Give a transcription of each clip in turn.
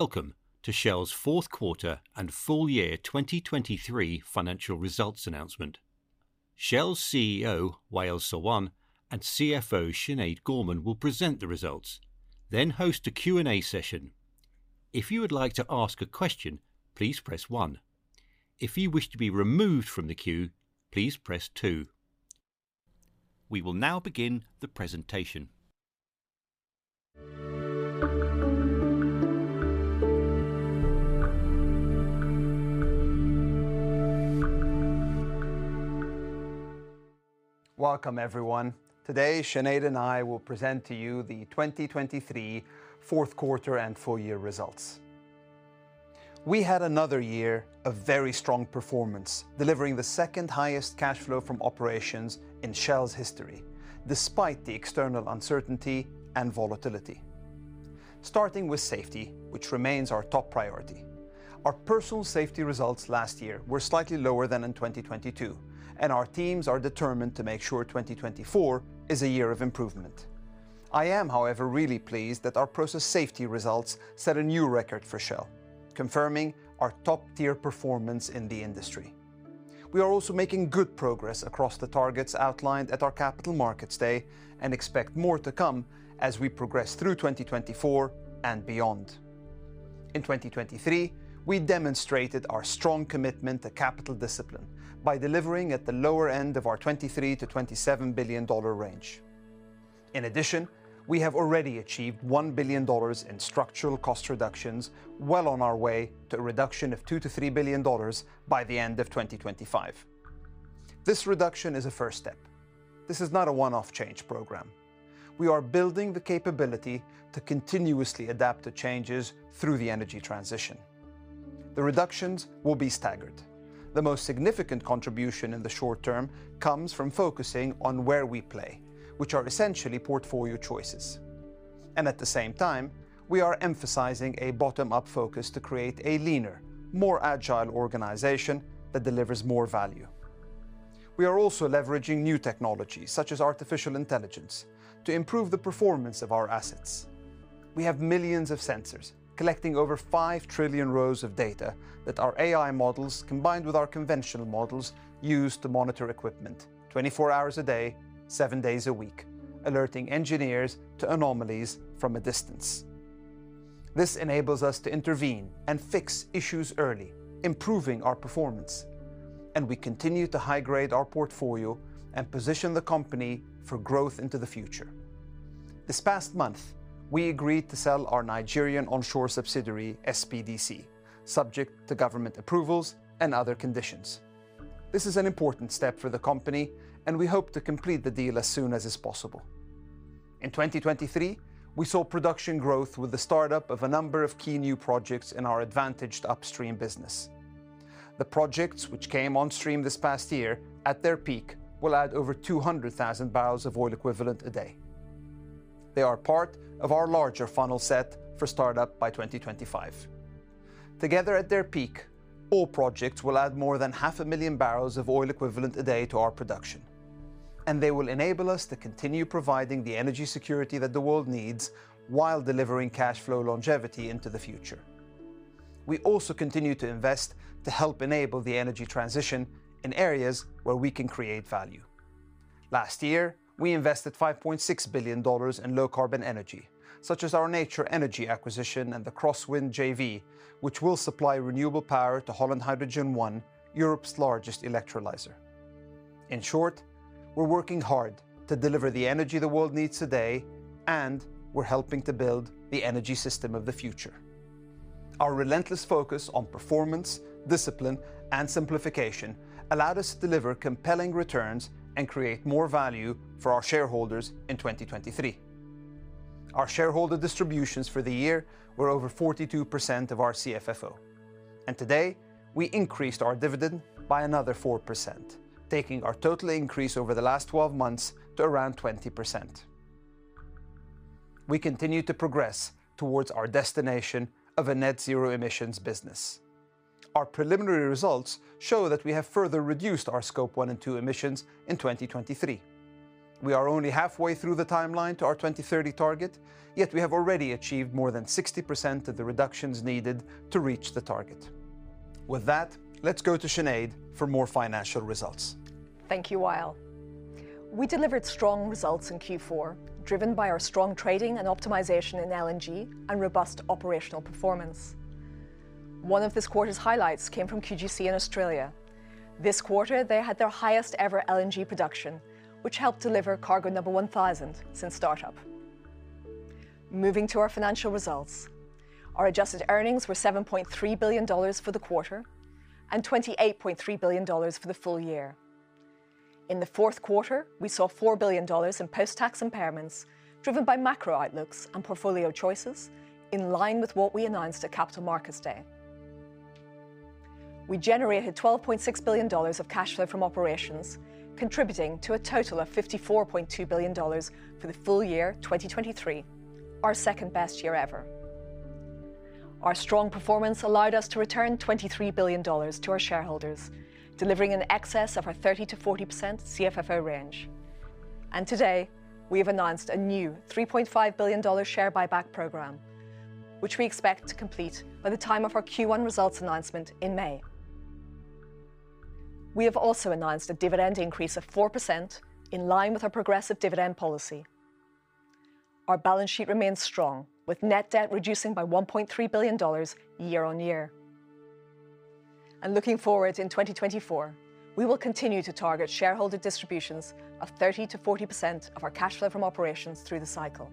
Welcome to Shell's fourth quarter and full year 2023 financial results announcement. Shell's CEO, Wael Sawan, and CFO, Sinead Gorman, will present the results, then host a Q&A session. If you would like to ask a question, please press one. If you wish to be removed from the queue, please press two. We will now begin the presentation. Welcome, everyone. Today, Sinead and I will present to you the 2023 fourth quarter and full year results. We had another year of very strong performance, delivering the second-highest cash flow from operations in Shell's history, despite the external uncertainty and volatility. Starting with safety, which remains our top priority, our personal safety results last year were slightly lower than in 2022, and our teams are determined to make sure 2024 is a year of improvement. I am, however, really pleased that our process safety results set a new record for Shell, confirming our top-tier performance in the industry. We are also making good progress across the targets outlined at our Capital Markets Day, and expect more to come as we progress through 2024 and beyond. In 2023, we demonstrated our strong commitment to capital discipline by delivering at the lower end of our $23 billion-$27 billion range. In addition, we have already achieved $1 billion in structural cost reductions, well on our way to a reduction of $2 billion-$3 billion by the end of 2025. This reduction is a first step. This is not a one-off change program. We are building the capability to continuously adapt to changes through the energy transition. The reductions will be staggered. The most significant contribution in the short term comes from focusing on where we play, which are essentially portfolio choices, and at the same time, we are emphasizing a bottom-up focus to create a leaner, more agile organization that delivers more value. We are also leveraging new technology, such as artificial intelligence, to improve the performance of our assets. We have millions of sensors collecting over 5 trillion rows of data that our AI models, combined with our conventional models, use to monitor equipment 24 hours a day, 7 days a week, alerting engineers to anomalies from a distance. This enables us to intervene and fix issues early, improving our performance, and we continue to high-grade our portfolio and position the company for growth into the future. This past month, we agreed to sell our Nigerian onshore subsidiary, SPDC, subject to government approvals and other conditions. This is an important step for the company, and we hope to complete the deal as soon as is possible. In 2023, we saw production growth with the startup of a number of key new projects in our advantaged upstream business. The projects which came on stream this past year, at their peak, will add over 200,000 barrels of oil equivalent a day. They are part of our larger funnel set for startup by 2025. Together, at their peak, all projects will add more than 500,000 barrels of oil equivalent a day to our production, and they will enable us to continue providing the energy security that the world needs while delivering cash flow longevity into the future. We also continue to invest to help enable the energy transition in areas where we can create value. Last year, we invested $5.6 billion in low-carbon energy, such as our Nature Energy acquisition and the CrossWind JV, which will supply renewable power to Holland Hydrogen 1, Europe's largest electrolyzer. In short, we're working hard to deliver the energy the world needs today, and we're helping to build the energy system of the future. Our relentless focus on performance, discipline, and simplification allowed us to deliver compelling returns and create more value for our shareholders in 2023. Our shareholder distributions for the year were over 42% of our CFFO, and today, we increased our dividend by another 4%, taking our total increase over the last 12 months to around 20%. We continue to progress towards our destination of a net zero emissions business. Our preliminary results show that we have further reduced our Scope 1 and 2 emissions in 2023. We are only halfway through the timeline to our 2030 target, yet we have already achieved more than 60% of the reductions needed to reach the target. With that, let's go to Sinead for more financial results. Thank you, Wael. We delivered strong results in Q4, driven by our strong trading and optimization in LNG and robust operational performance. One of this quarter's highlights came from QGC in Australia. This quarter, they had their highest-ever LNG production, which helped deliver cargo number 1,000 since startup. Moving to our financial results, our adjusted earnings were $7.3 billion for the quarter, and $28.3 billion for the full year. In the fourth quarter, we saw $4 billion in post-tax impairments, driven by macro outlooks and portfolio choices, in line with what we announced at Capital Markets Day. We generated $12.6 billion of cash flow from operations, contributing to a total of $54.2 billion for the full year 2023, our second-best year ever. Our strong performance allowed us to return $23 billion to our shareholders, delivering in excess of our 30%-40% CFFO range... and today, we have announced a new $3.5 billion share buyback program, which we expect to complete by the time of our Q1 results announcement in May. We have also announced a dividend increase of 4%, in line with our progressive dividend policy. Our balance sheet remains strong, with net debt reducing by $1.3 billion year-on-year. And looking forward in 2024, we will continue to target shareholder distributions of 30%-40% of our cash flow from operations through the cycle,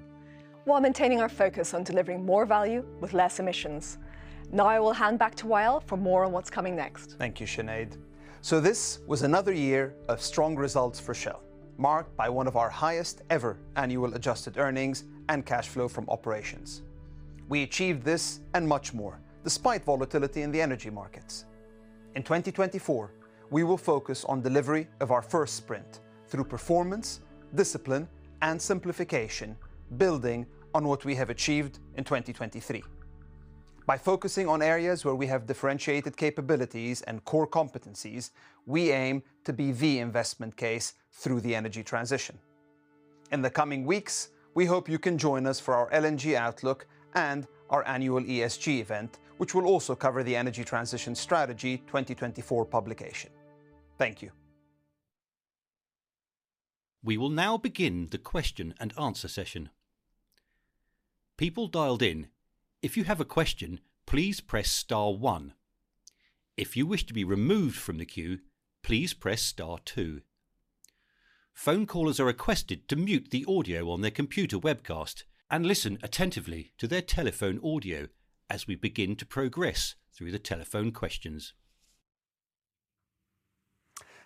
while maintaining our focus on delivering more value with less emissions. Now I will hand back to Wael for more on what's coming next. Thank you, Sinead. This was another year of strong results for Shell, marked by one of our highest ever annual adjusted earnings and cash flow from operations. We achieved this and much more, despite volatility in the energy markets. In 2024, we will focus on delivery of our first sprint through performance, discipline, and simplification, building on what we have achieved in 2023. By focusing on areas where we have differentiated capabilities and core competencies, we aim to be the investment case through the energy transition. In the coming weeks, we hope you can join us for our LNG outlook and our annual ESG event, which will also cover the energy transition strategy 2024 publication. Thank you. We will now begin the question and answer session. People dialed in, if you have a question, please press star one. If you wish to be removed from the queue, please press star two. Phone callers are requested to mute the audio on their computer webcast and listen attentively to their telephone audio as we begin to progress through the telephone questions.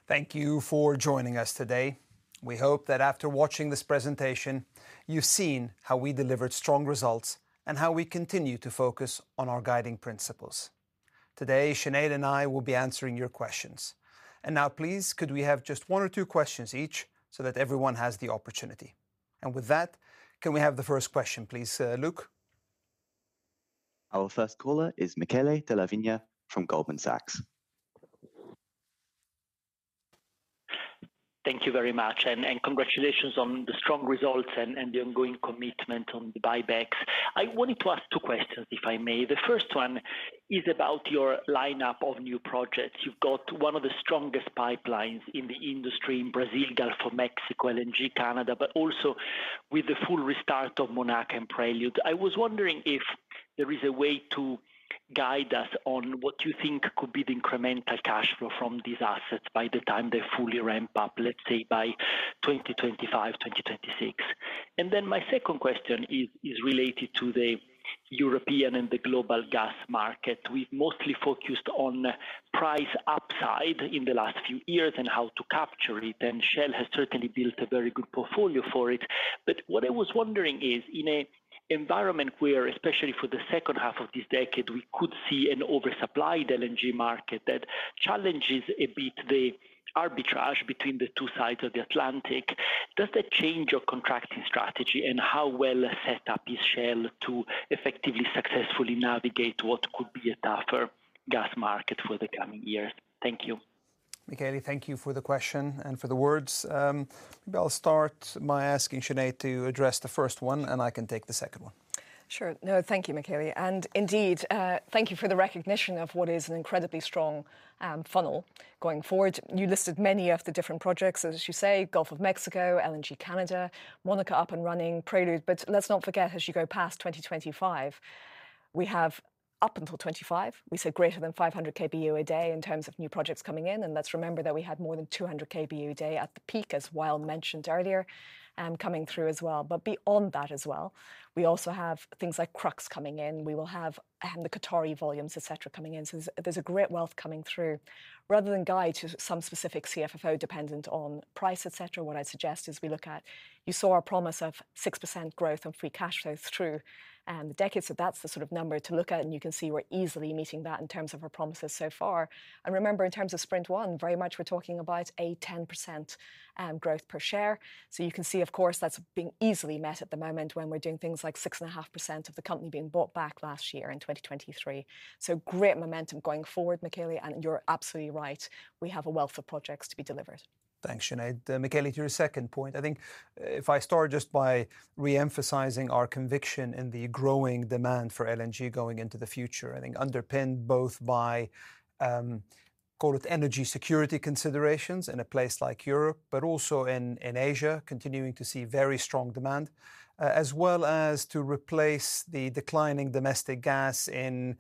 Thank you for joining us today. We hope that after watching this presentation, you've seen how we delivered strong results and how we continue to focus on our guiding principles. Today, Sinead and I will be answering your questions. And now, please, could we have just one or two questions each so that everyone has the opportunity? And with that, can we have the first question, please, Luke? Our first caller is Michele Della Vigna from Goldman Sachs. Thank you very much, and, and congratulations on the strong results and, and the ongoing commitment on the buybacks. I wanted to ask two questions, if I may. The first one is about your lineup of new projects. You've got one of the strongest pipelines in the industry in Brazil, Gulf of Mexico, LNG Canada, but also with the full restart of Monaca and Prelude. I was wondering if there is a way to guide us on what you think could be the incremental cash flow from these assets by the time they fully ramp up, let's say by 2025, 2026. And then my second question is related to the European and the global gas market. We've mostly focused on price upside in the last few years and how to capture it, and Shell has certainly built a very good portfolio for it. But what I was wondering is, in an environment where, especially for the second half of this decade, we could see an oversupplied LNG market that challenges a bit the arbitrage between the two sides of the Atlantic, does that change your contracting strategy, and how well set up is Shell to effectively successfully navigate what could be a tougher gas market for the coming years? Thank you. Michele, thank you for the question and for the words. Maybe I'll start by asking Sinead to address the first one, and I can take the second one. Sure. No, thank you, Michele, and indeed, thank you for the recognition of what is an incredibly strong funnel going forward. You listed many of the different projects, as you say, Gulf of Mexico, LNG Canada, Monaca up and running, Prelude. But let's not forget, as you go past 2025, we have up until 2025, we said greater than 500 kboe/d in terms of new projects coming in, and let's remember that we had more than 200 kboe/d at the peak, as Wael mentioned earlier, coming through as well. But beyond that as well, we also have things like Crux coming in. We will have, the Qatari volumes, et cetera, coming in. So there's, there's a great wealth coming through. Rather than guide to some specific CFFO dependent on price, et cetera, what I'd suggest is we look at... You saw our promise of 6% growth on free cash flows through the decade, so that's the sort of number to look at, and you can see we're easily meeting that in terms of our promises so far. And remember, in terms of sprint one, very much we're talking about a 10% growth per share. So you can see, of course, that's being easily met at the moment when we're doing things like 6.5% of the company being bought back last year in 2023. So great momentum going forward, Michele, and you're absolutely right, we have a wealth of projects to be delivered. Thanks, Sinead. Michele, to your second point, I think if I start just by re-emphasizing our conviction in the growing demand for LNG going into the future, I think underpinned both by, call it energy security considerations in a place like Europe, but also in, in Asia, continuing to see very strong demand, as well as to replace the declining domestic gas in,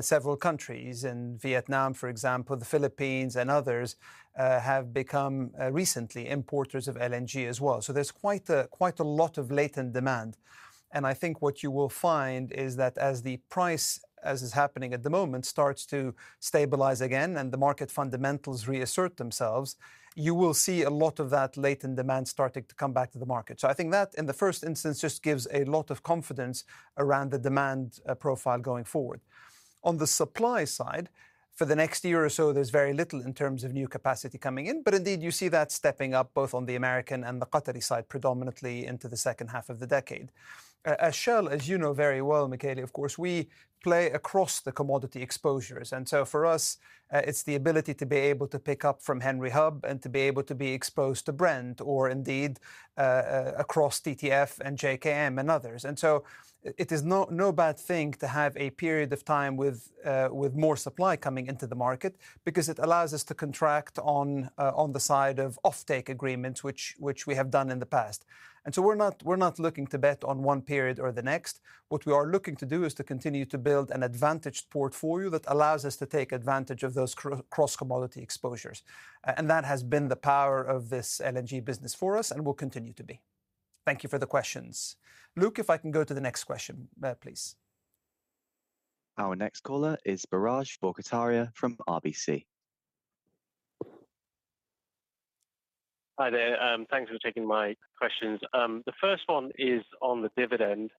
several countries. In Vietnam, for example, the Philippines and others, have become, recently importers of LNG as well. So there's quite a, quite a lot of latent demand, and I think what you will find is that as the price, as is happening at the moment, starts to stabilize again and the market fundamentals reassert themselves, you will see a lot of that latent demand starting to come back to the market. So I think that, in the first instance, just gives a lot of confidence around the demand profile going forward. On the supply side, for the next year or so, there's very little in terms of new capacity coming in, but indeed, you see that stepping up both on the American and the Qatari side, predominantly into the second half of the decade. As Shell, as you know very well, Michele, of course, we play across the commodity exposures. And so for us, it's the ability to be able to pick up from Henry Hub and to be able to be exposed to Brent or indeed, across TTF and JKM and others. And so it is no, no bad thing to have a period of time with more supply coming into the market because it allows us to contract on the side of offtake agreements, which we have done in the past. And so we're not looking to bet on one period or the next. What we are looking to do is to continue to build an advantaged portfolio that allows us to take advantage of those cross-commodity exposures. And that has been the power of this LNG business for us and will continue to be. Thank you for the questions. Luke, if I can go to the next question, please. Hi there, thanks for taking my questions. The first one is on the dividend,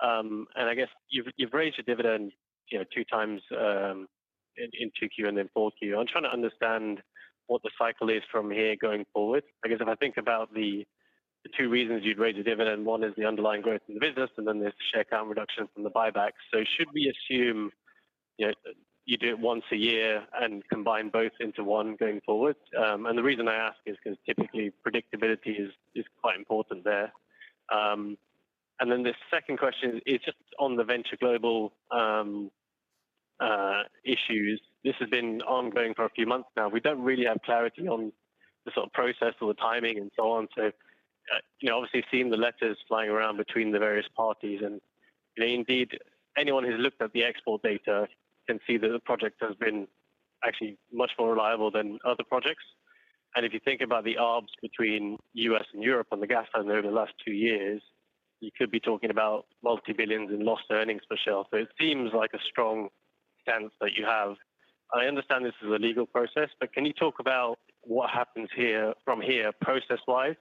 and I guess you've, you've raised your dividend, you know, two times, in, in 2Q and then 4Q. I'm trying to understand what the cycle is from here going forward. I guess if I think about the, the two reasons you'd raise a dividend, one is the underlying growth in the business, and then there's the share count reduction from the buybacks. So should we assume, you know, you do it once a year and combine both into one going forward? And the reason I ask is 'cause typically predictability is, is quite important there. And then the second question is just on the Venture Global, issues. This has been ongoing for a few months now. We don't really have clarity on the sort of process or the timing and so on, so, you know, obviously seen the letters flying around between the various parties. And indeed, anyone who's looked at the export data can see that the project has been actually much more reliable than other projects. And if you think about the arbs between US and Europe on the gas side over the last two years, you could be talking about $multi-billions in lost earnings for Shell. So it seems like a strong sense that you have. I understand this is a legal process, but can you talk about what happens here, from here, process-wise,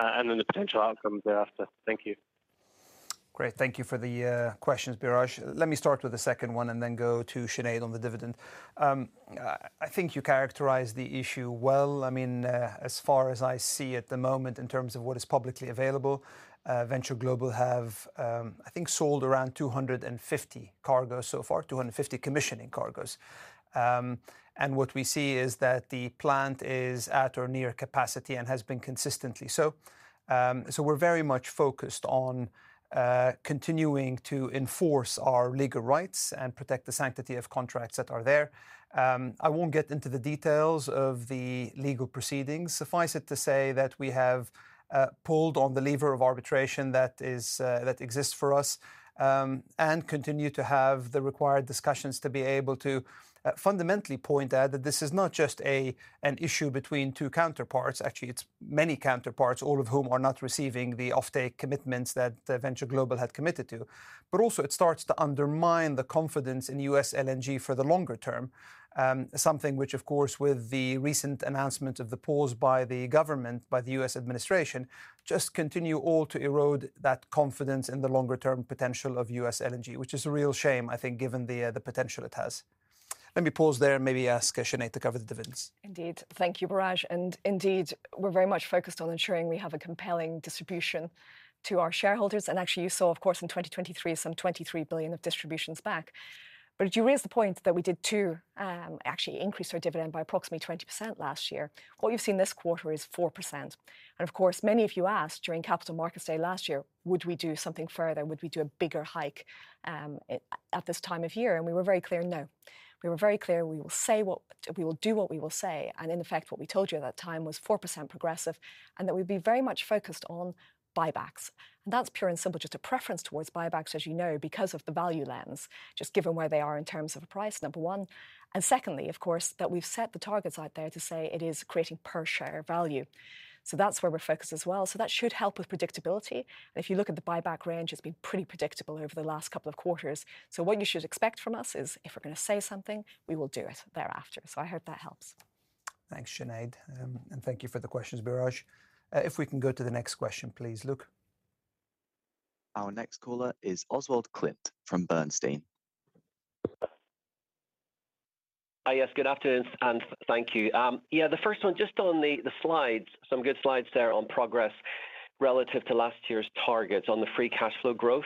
and then the potential outcomes thereafter? Thank you. Great, thank you for the questions, Biraj. Let me start with the second one and then go to Sinead on the dividend. I think you characterized the issue well. I mean, as far as I see at the moment in terms of what is publicly available, Venture Global have, I think, sold around 250 cargoes so far, 250 commissioning cargoes. And what we see is that the plant is at or near capacity and has been consistently so. So we're very much focused on continuing to enforce our legal rights and protect the sanctity of contracts that are there. I won't get into the details of the legal proceedings. Suffice it to say that we have pulled on the lever of arbitration that is that exists for us and continue to have the required discussions to be able to fundamentally point out that this is not just an issue between two counterparts. Actually, it's many counterparts, all of whom are not receiving the offtake commitments that Venture Global had committed to. But also it starts to undermine the confidence in U.S. LNG for the longer term, something which, of course, with the recent announcement of the pause by the government, by the U.S. administration, just continue all to erode that confidence in the longer-term potential of U.S. LNG, which is a real shame, I think, given the potential it has. Let me pause there and maybe ask Sinead to cover the dividends. Indeed. Thank you, Biraj, and indeed, we're very much focused on ensuring we have a compelling distribution to our shareholders. Actually you saw, of course, in 2023, some $23 billion of distributions back. But you raised the point that we did too, actually increase our dividend by approximately 20% last year. What you've seen this quarter is 4%, and of course, many of you asked during Capital Markets Day last year, would we do something further? Would we do a bigger hike at this time of year, and we were very clear, no. We were very clear, we will do what we will say, and in effect, what we told you at that time was 4% progressive and that we'd be very much focused on buybacks. That's pure and simple, just a preference towards buybacks, as you know, because of the value lens, just given where they are in terms of price, number one. Secondly, of course, that we've set the targets out there to say it is creating per share value. That's where we're focused as well, so that should help with predictability. If you look at the buyback range, it's been pretty predictable over the last couple of quarters. What you should expect from us is if we're gonna say something, we will do it thereafter. I hope that helps. Thanks, Sinead, and thank you for the questions, Biraj. If we can go to the next question, please, Luke. Our next caller is Oswald Clint from Bernstein. Hi, yes, good afternoon, and thank you. Yeah, the first one, just on the slides, some good slides there on progress relative to last year's targets on the free cash flow growth.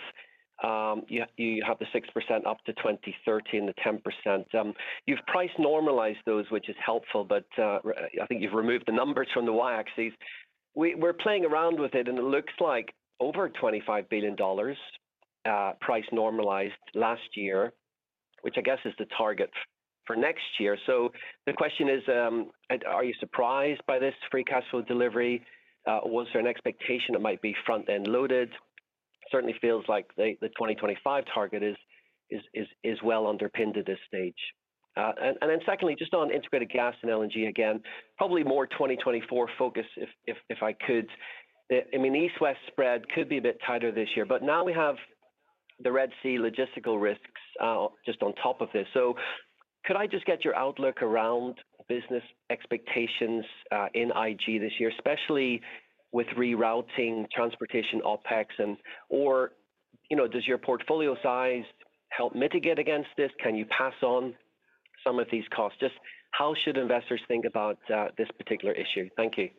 You have the 6% up to 2030 and the 10%. You've price normalized those, which is helpful, but I think you've removed the numbers from the y-axes. We're playing around with it, and it looks like over $25 billion, price normalized last year, which I guess is the target for next year. So the question is, and are you surprised by this free cash flow delivery? Was there an expectation it might be front-end loaded? Certainly feels like the 2025 target is well underpinned at this stage. And then secondly, just on integrated gas and LNG, again, probably more 2024 focus if I could. I mean, East-West spread could be a bit tighter this year, but now we have the Red Sea logistical risks, just on top of this. So could I just get your outlook around business expectations, in IG this year, especially with rerouting transportation OpEx and, or, you know, does your portfolio size help mitigate against this? Can you pass on some of these costs? Just how should investors think about, this particular issue? Thank you.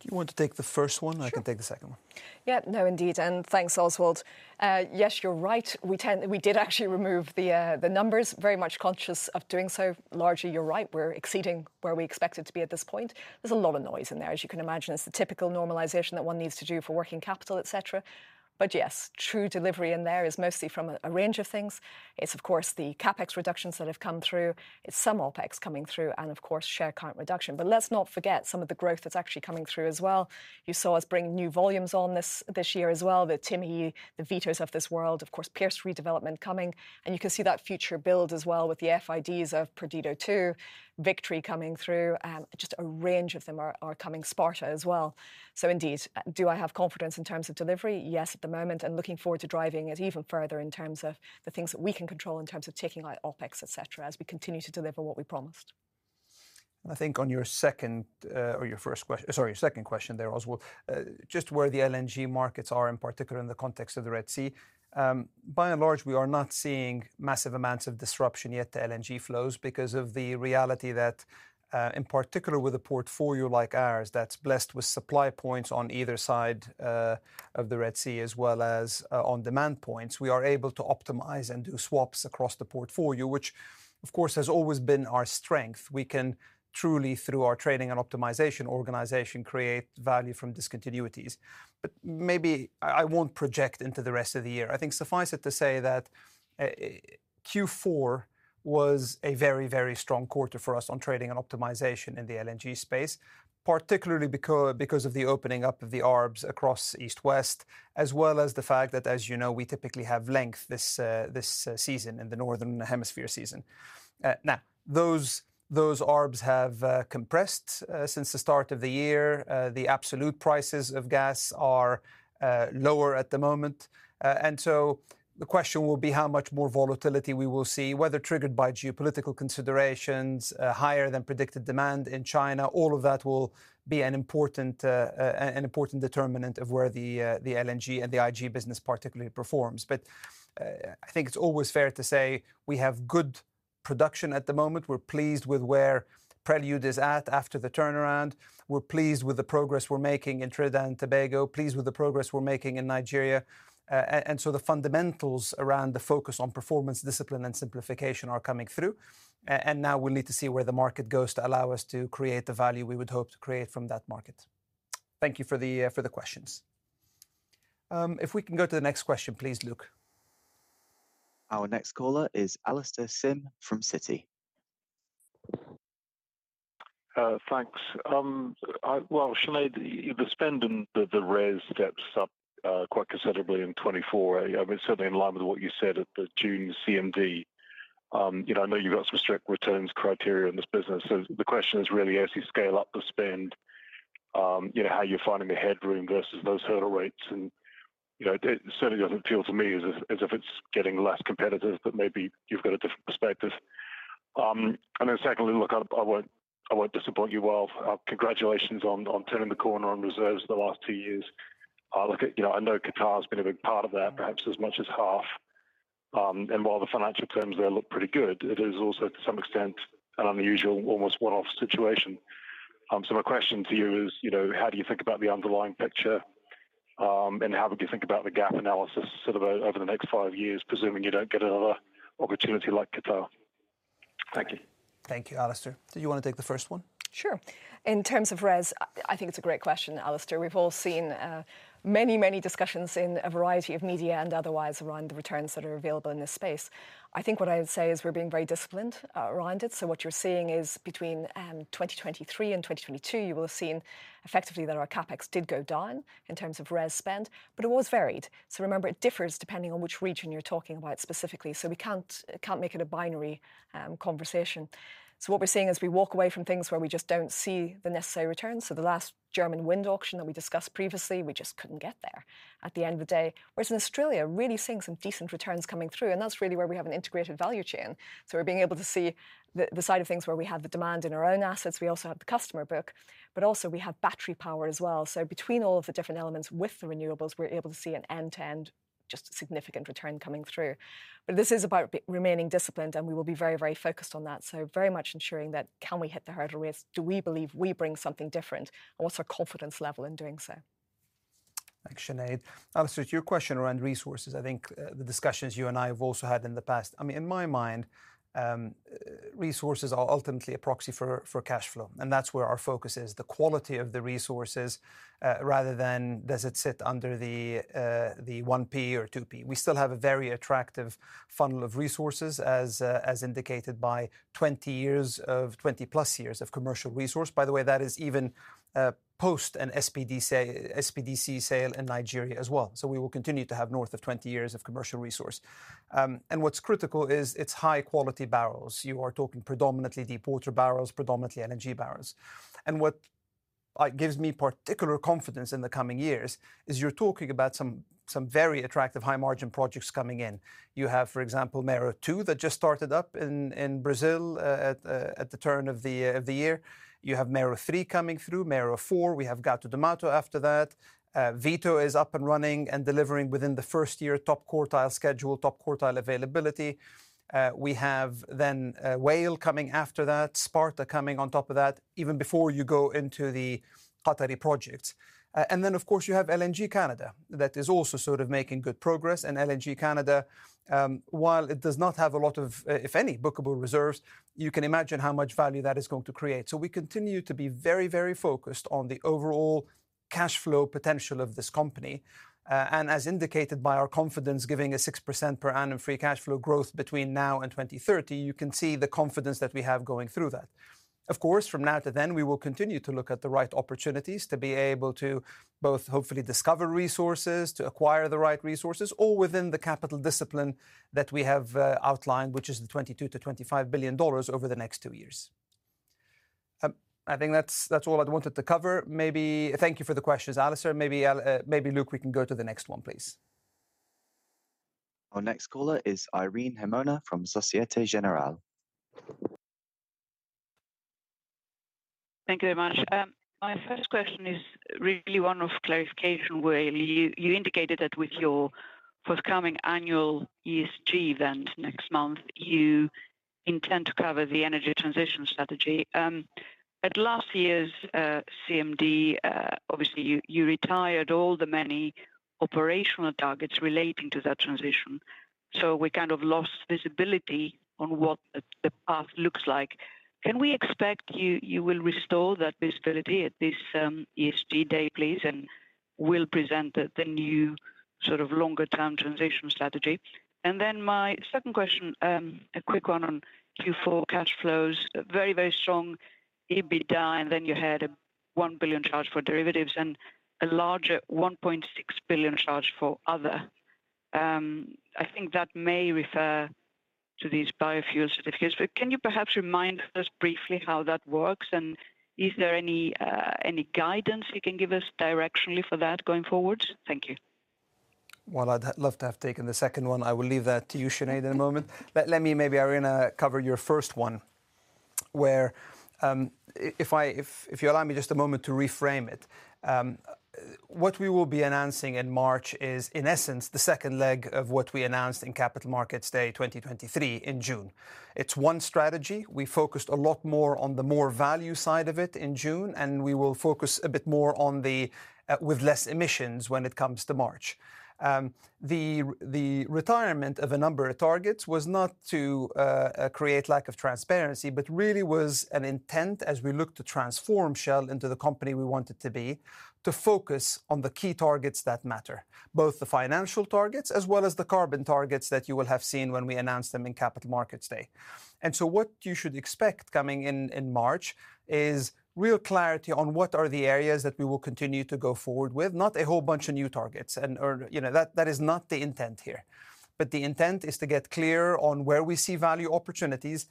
Do you want to take the first one? Sure. I can take the second one. Yeah, no, indeed, and thanks, Oswald. Yes, you're right. We did actually remove the, the numbers, very much conscious of doing so. Largely, you're right, we're exceeding where we expected to be at this point. There's a lot of noise in there, as you can imagine. It's the typical normalization that one needs to do for working capital, et cetera. But yes, true delivery in there is mostly from a, a range of things. It's of course, the CapEx reductions that have come through. It's some OpEx coming through and of course, share count reduction. But let's not forget some of the growth that's actually coming through as well. You saw us bring new volumes on this, this year as well, the Timi, the Vitos of this world, of course, Pierce redevelopment coming, and you can see that future build as well with the FIDs of Perdido 2, Victory coming through, just a range of them are coming, Sparta as well. So indeed, do I have confidence in terms of delivery? Yes, at the moment, and looking forward to driving it even further in terms of the things that we can control, in terms of taking out OpEx, et cetera, as we continue to deliver what we promised.... I think on your second, or your first quest- sorry, second question there, Oswald, just where the LNG markets are, in particular in the context of the Red Sea. By and large, we are not seeing massive amounts of disruption yet to LNG flows because of the reality that, in particular, with a portfolio like ours that's blessed with supply points on either side of the Red Sea, as well as on demand points, we are able to optimize and do swaps across the portfolio, which of course has always been our strength. We can truly, through our trading and optimization organization, create value from discontinuities. But maybe I, I won't project into the rest of the year. I think suffice it to say that Q4 was a very, very strong quarter for us on trading and optimization in the LNG space, particularly because of the opening up of the arbs across East-West, as well as the fact that, as you know, we typically have length this season in the Northern Hemisphere season. Now, those arbs have compressed since the start of the year. The absolute prices of gas are lower at the moment. And so the question will be how much more volatility we will see, whether triggered by geopolitical considerations, higher than predicted demand in China. All of that will be an important determinant of where the LNG and the IG business particularly performs. But, I think it's always fair to say we have good production at the moment. We're pleased with where Prelude is at after the turnaround. We're pleased with the progress we're making in Trinidad and Tobago, pleased with the progress we're making in Nigeria. And so the fundamentals around the focus on performance, discipline, and simplification are coming through, and now we'll need to see where the market goes to allow us to create the value we would hope to create from that market. Thank you for the, for the questions. If we can go to the next question, please, Luke. Our next caller is Alastair Syme from Citi. Thanks. Well, Sinead, the spend and the, the RES steps up quite considerably in 2024. I mean, certainly in line with what you said at the June CMD. You know, I know you've got some strict returns criteria in this business, so the question is really, as you scale up the spend, you know, how you're finding the headroom versus those hurdle rates. And, you know, it certainly doesn't feel to me as if, as if it's getting less competitive, but maybe you've got a different perspective. And then secondly, look, I won't disappoint you all. Congratulations on turning the corner on reserves the last two years. Look, you know, I know Qatar has been a big part of that, perhaps as much as half. While the financial terms there look pretty good, it is also, to some extent, an unusual, almost one-off situation. My question to you is, you know, how do you think about the underlying picture, and how would you think about the gap analysis sort of over the next five years, presuming you don't get another opportunity like Qatar? Thank you. Thank you, Alastair. Do you wanna take the first one? Sure. In terms of res, I think it's a great question, Alastair. We've all seen many, many discussions in a variety of media and otherwise around the returns that are available in this space. I think what I would say is we're being very disciplined around it. So what you're seeing is between 2023 and 2022, you will have seen effectively that our CapEx did go down in terms of res spend, but it was varied. So remember, it differs depending on which region you're talking about specifically. So we can't make it a binary conversation. So what we're seeing is we walk away from things where we just don't see the necessary returns. So the last German wind auction that we discussed previously, we just couldn't get there at the end of the day. Whereas in Australia, really seeing some decent returns coming through, and that's really where we have an integrated value chain. So we're being able to see the side of things where we have the demand in our own assets. We also have the customer book, but also we have battery power as well. So between all of the different elements with the renewables, we're able to see an end-to-end, just significant return coming through. But this is about remaining disciplined, and we will be very, very focused on that. So very much ensuring that, can we hit the harder rates? Do we believe we bring something different? And what's our confidence level in doing so? Thanks, Sinead. Alastair, to your question around resources, I think, the discussions you and I have also had in the past. I mean, in my mind, resources are ultimately a proxy for, for cash flow, and that's where our focus is, the quality of the resources, rather than does it sit under the, the1P or 2P. We still have a very attractive funnel of resources as, as indicated by 20 years of, 20+ years of commercial resource. By the way, that is even, post and SPDC, SPDC sale in Nigeria as well. So we will continue to have north of 20 years of commercial resource. And what's critical is it's high-quality barrels. You are talking predominantly deep water barrels, predominantly LNG barrels. And what gives me particular confidence in the coming years is you're talking about some very attractive high-margin projects coming in. You have, for example, Mero-2, that just started up in Brazil at the turn of the year. You have Mero-3 coming through, Mero-4. We have Gato do Mato after that. Vito is up and running and delivering within the first year, top quartile schedule, top quartile availability. We have then Whale coming after that, Sparta coming on top of that, even before you go into the Qatari projects. And then, of course, you have LNG Canada, that is also sort of making good progress. And LNG Canada, while it does not have a lot of, if any, bookable reserves, you can imagine how much value that is going to create. So we continue to be very, very focused on the overall cash flow potential of this company, and as indicated by our confidence, giving a 6% per annum free cash flow growth between now and 2030, you can see the confidence that we have going through that. Of course, from now to then, we will continue to look at the right opportunities to be able to both hopefully discover resources, to acquire the right resources, all within the capital discipline that we have outlined, which is the $22 billion-$25 billion over the next two years. I think that's, that's all I wanted to cover. Maybe... Thank you for the questions, Alastair. Maybe, maybe, Luke, we can go to the next one, please.... Our next caller is Irene Himona from Société Générale. Thank you very much. My first question is really one of clarification, where you indicated that with your forthcoming annual ESG event next month, you intend to cover the energy transition strategy. At last year's CMD, obviously, you retired all the many operational targets relating to that transition, so we kind of lost visibility on what the path looks like. Can we expect you will restore that visibility at this ESG day, please, and will present the new sort of longer-term transition strategy? And then my second question, a quick one on Q4 cash flows. Very, very strong EBITDA, and then you had a $1 billion charge for derivatives and a larger $1.6 billion charge for other. I think that may refer to these biofuel certificates, but can you perhaps remind us briefly how that works, and is there any guidance you can give us directionally for that going forward? Thank you. Well, I'd love to have taken the second one. I will leave that to you, Sinead, in a moment. But let me maybe, Irene, cover your first one, where, if I, if you allow me just a moment to reframe it. What we will be announcing in March is, in essence, the second leg of what we announced in Capital Markets Day 2023 in June. It's one strategy. We focused a lot more on the more value side of it in June, and we will focus a bit more on the, with less emissions when it comes to March. The retirement of a number of targets was not to create lack of transparency, but really was an intent as we looked to transform Shell into the company we want it to be, to focus on the key targets that matter, both the financial targets as well as the carbon targets that you will have seen when we announced them in Capital Markets Day. And so what you should expect coming in, in March, is real clarity on what are the areas that we will continue to go forward with, not a whole bunch of new targets. And you know, that is not the intent here. But the intent is to get clear on where we see value opportunities.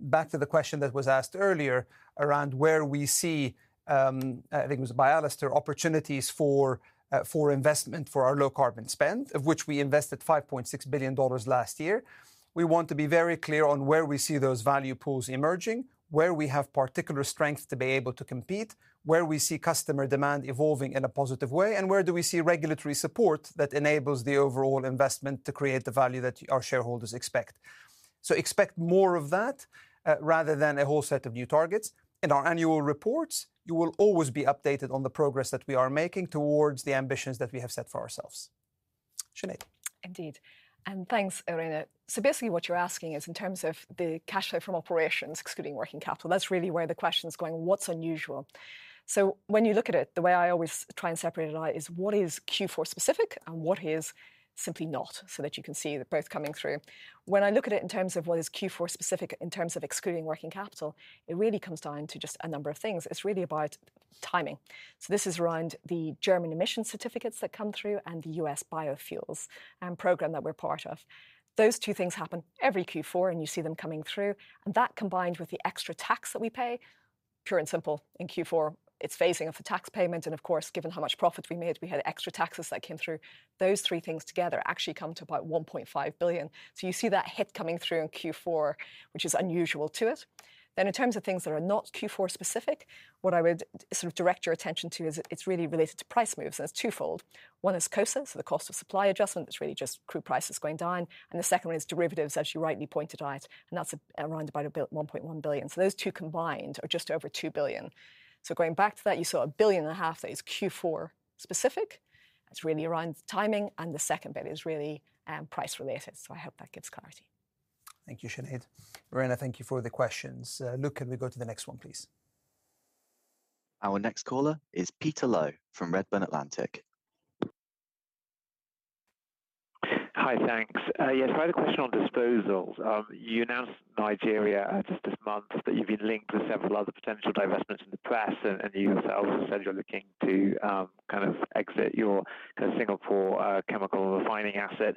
Back to the question that was asked earlier around where we see, I think it was by Alastair, opportunities for, for investment for our low carbon spend, of which we invested $5.6 billion last year. We want to be very clear on where we see those value pools emerging, where we have particular strength to be able to compete, where we see customer demand evolving in a positive way, and where do we see regulatory support that enables the overall investment to create the value that our shareholders expect. So expect more of that, rather than a whole set of new targets. In our annual reports, you will always be updated on the progress that we are making towards the ambitions that we have set for ourselves. Sinead? Indeed, and thanks, Irene. So basically, what you're asking is in terms of the cash flow from operations, excluding working capital, that's really where the question's going, what's unusual? So when you look at it, the way I always try and separate it out is what is Q4 specific and what is simply not, so that you can see they're both coming through. When I look at it in terms of what is Q4 specific, in terms of excluding working capital, it really comes down to just a number of things. It's really about timing. So this is around the German emission certificates that come through and the US biofuels program that we're part of. Those two things happen every Q4, and you see them coming through, and that, combined with the extra tax that we pay, pure and simple, in Q4, it's phasing of the tax payment, and of course, given how much profit we made, we had extra taxes that came through. Those three things together actually come to about $1.5 billion. So you see that hit coming through in Q4, which is unusual to it. Then in terms of things that are not Q4 specific, what I would sort of direct your attention to is it's really related to price moves, and it's twofold. One is COSA, so the cost of supply adjustment. That's really just crude prices going down. And the second one is derivatives, as you rightly pointed out, and that's around about $1.1 billion. Those two combined are just over $2 billion. Going back to that, you saw $1.5 billion that is Q4 specific. That's really around the timing, and the second bit is really price-related. I hope that gives clarity. Thank you, Sinead. Irene, thank you for the questions. Luke, can we go to the next one, please? Our next caller is Peter Low from Redburn Atlantic. Hi, thanks. Yes, I had a question on disposals. You announced Nigeria just this month, but you've been linked to several other potential divestments in the press, and you yourself have said you're looking to kind of exit your kind of Singapore chemical refining asset.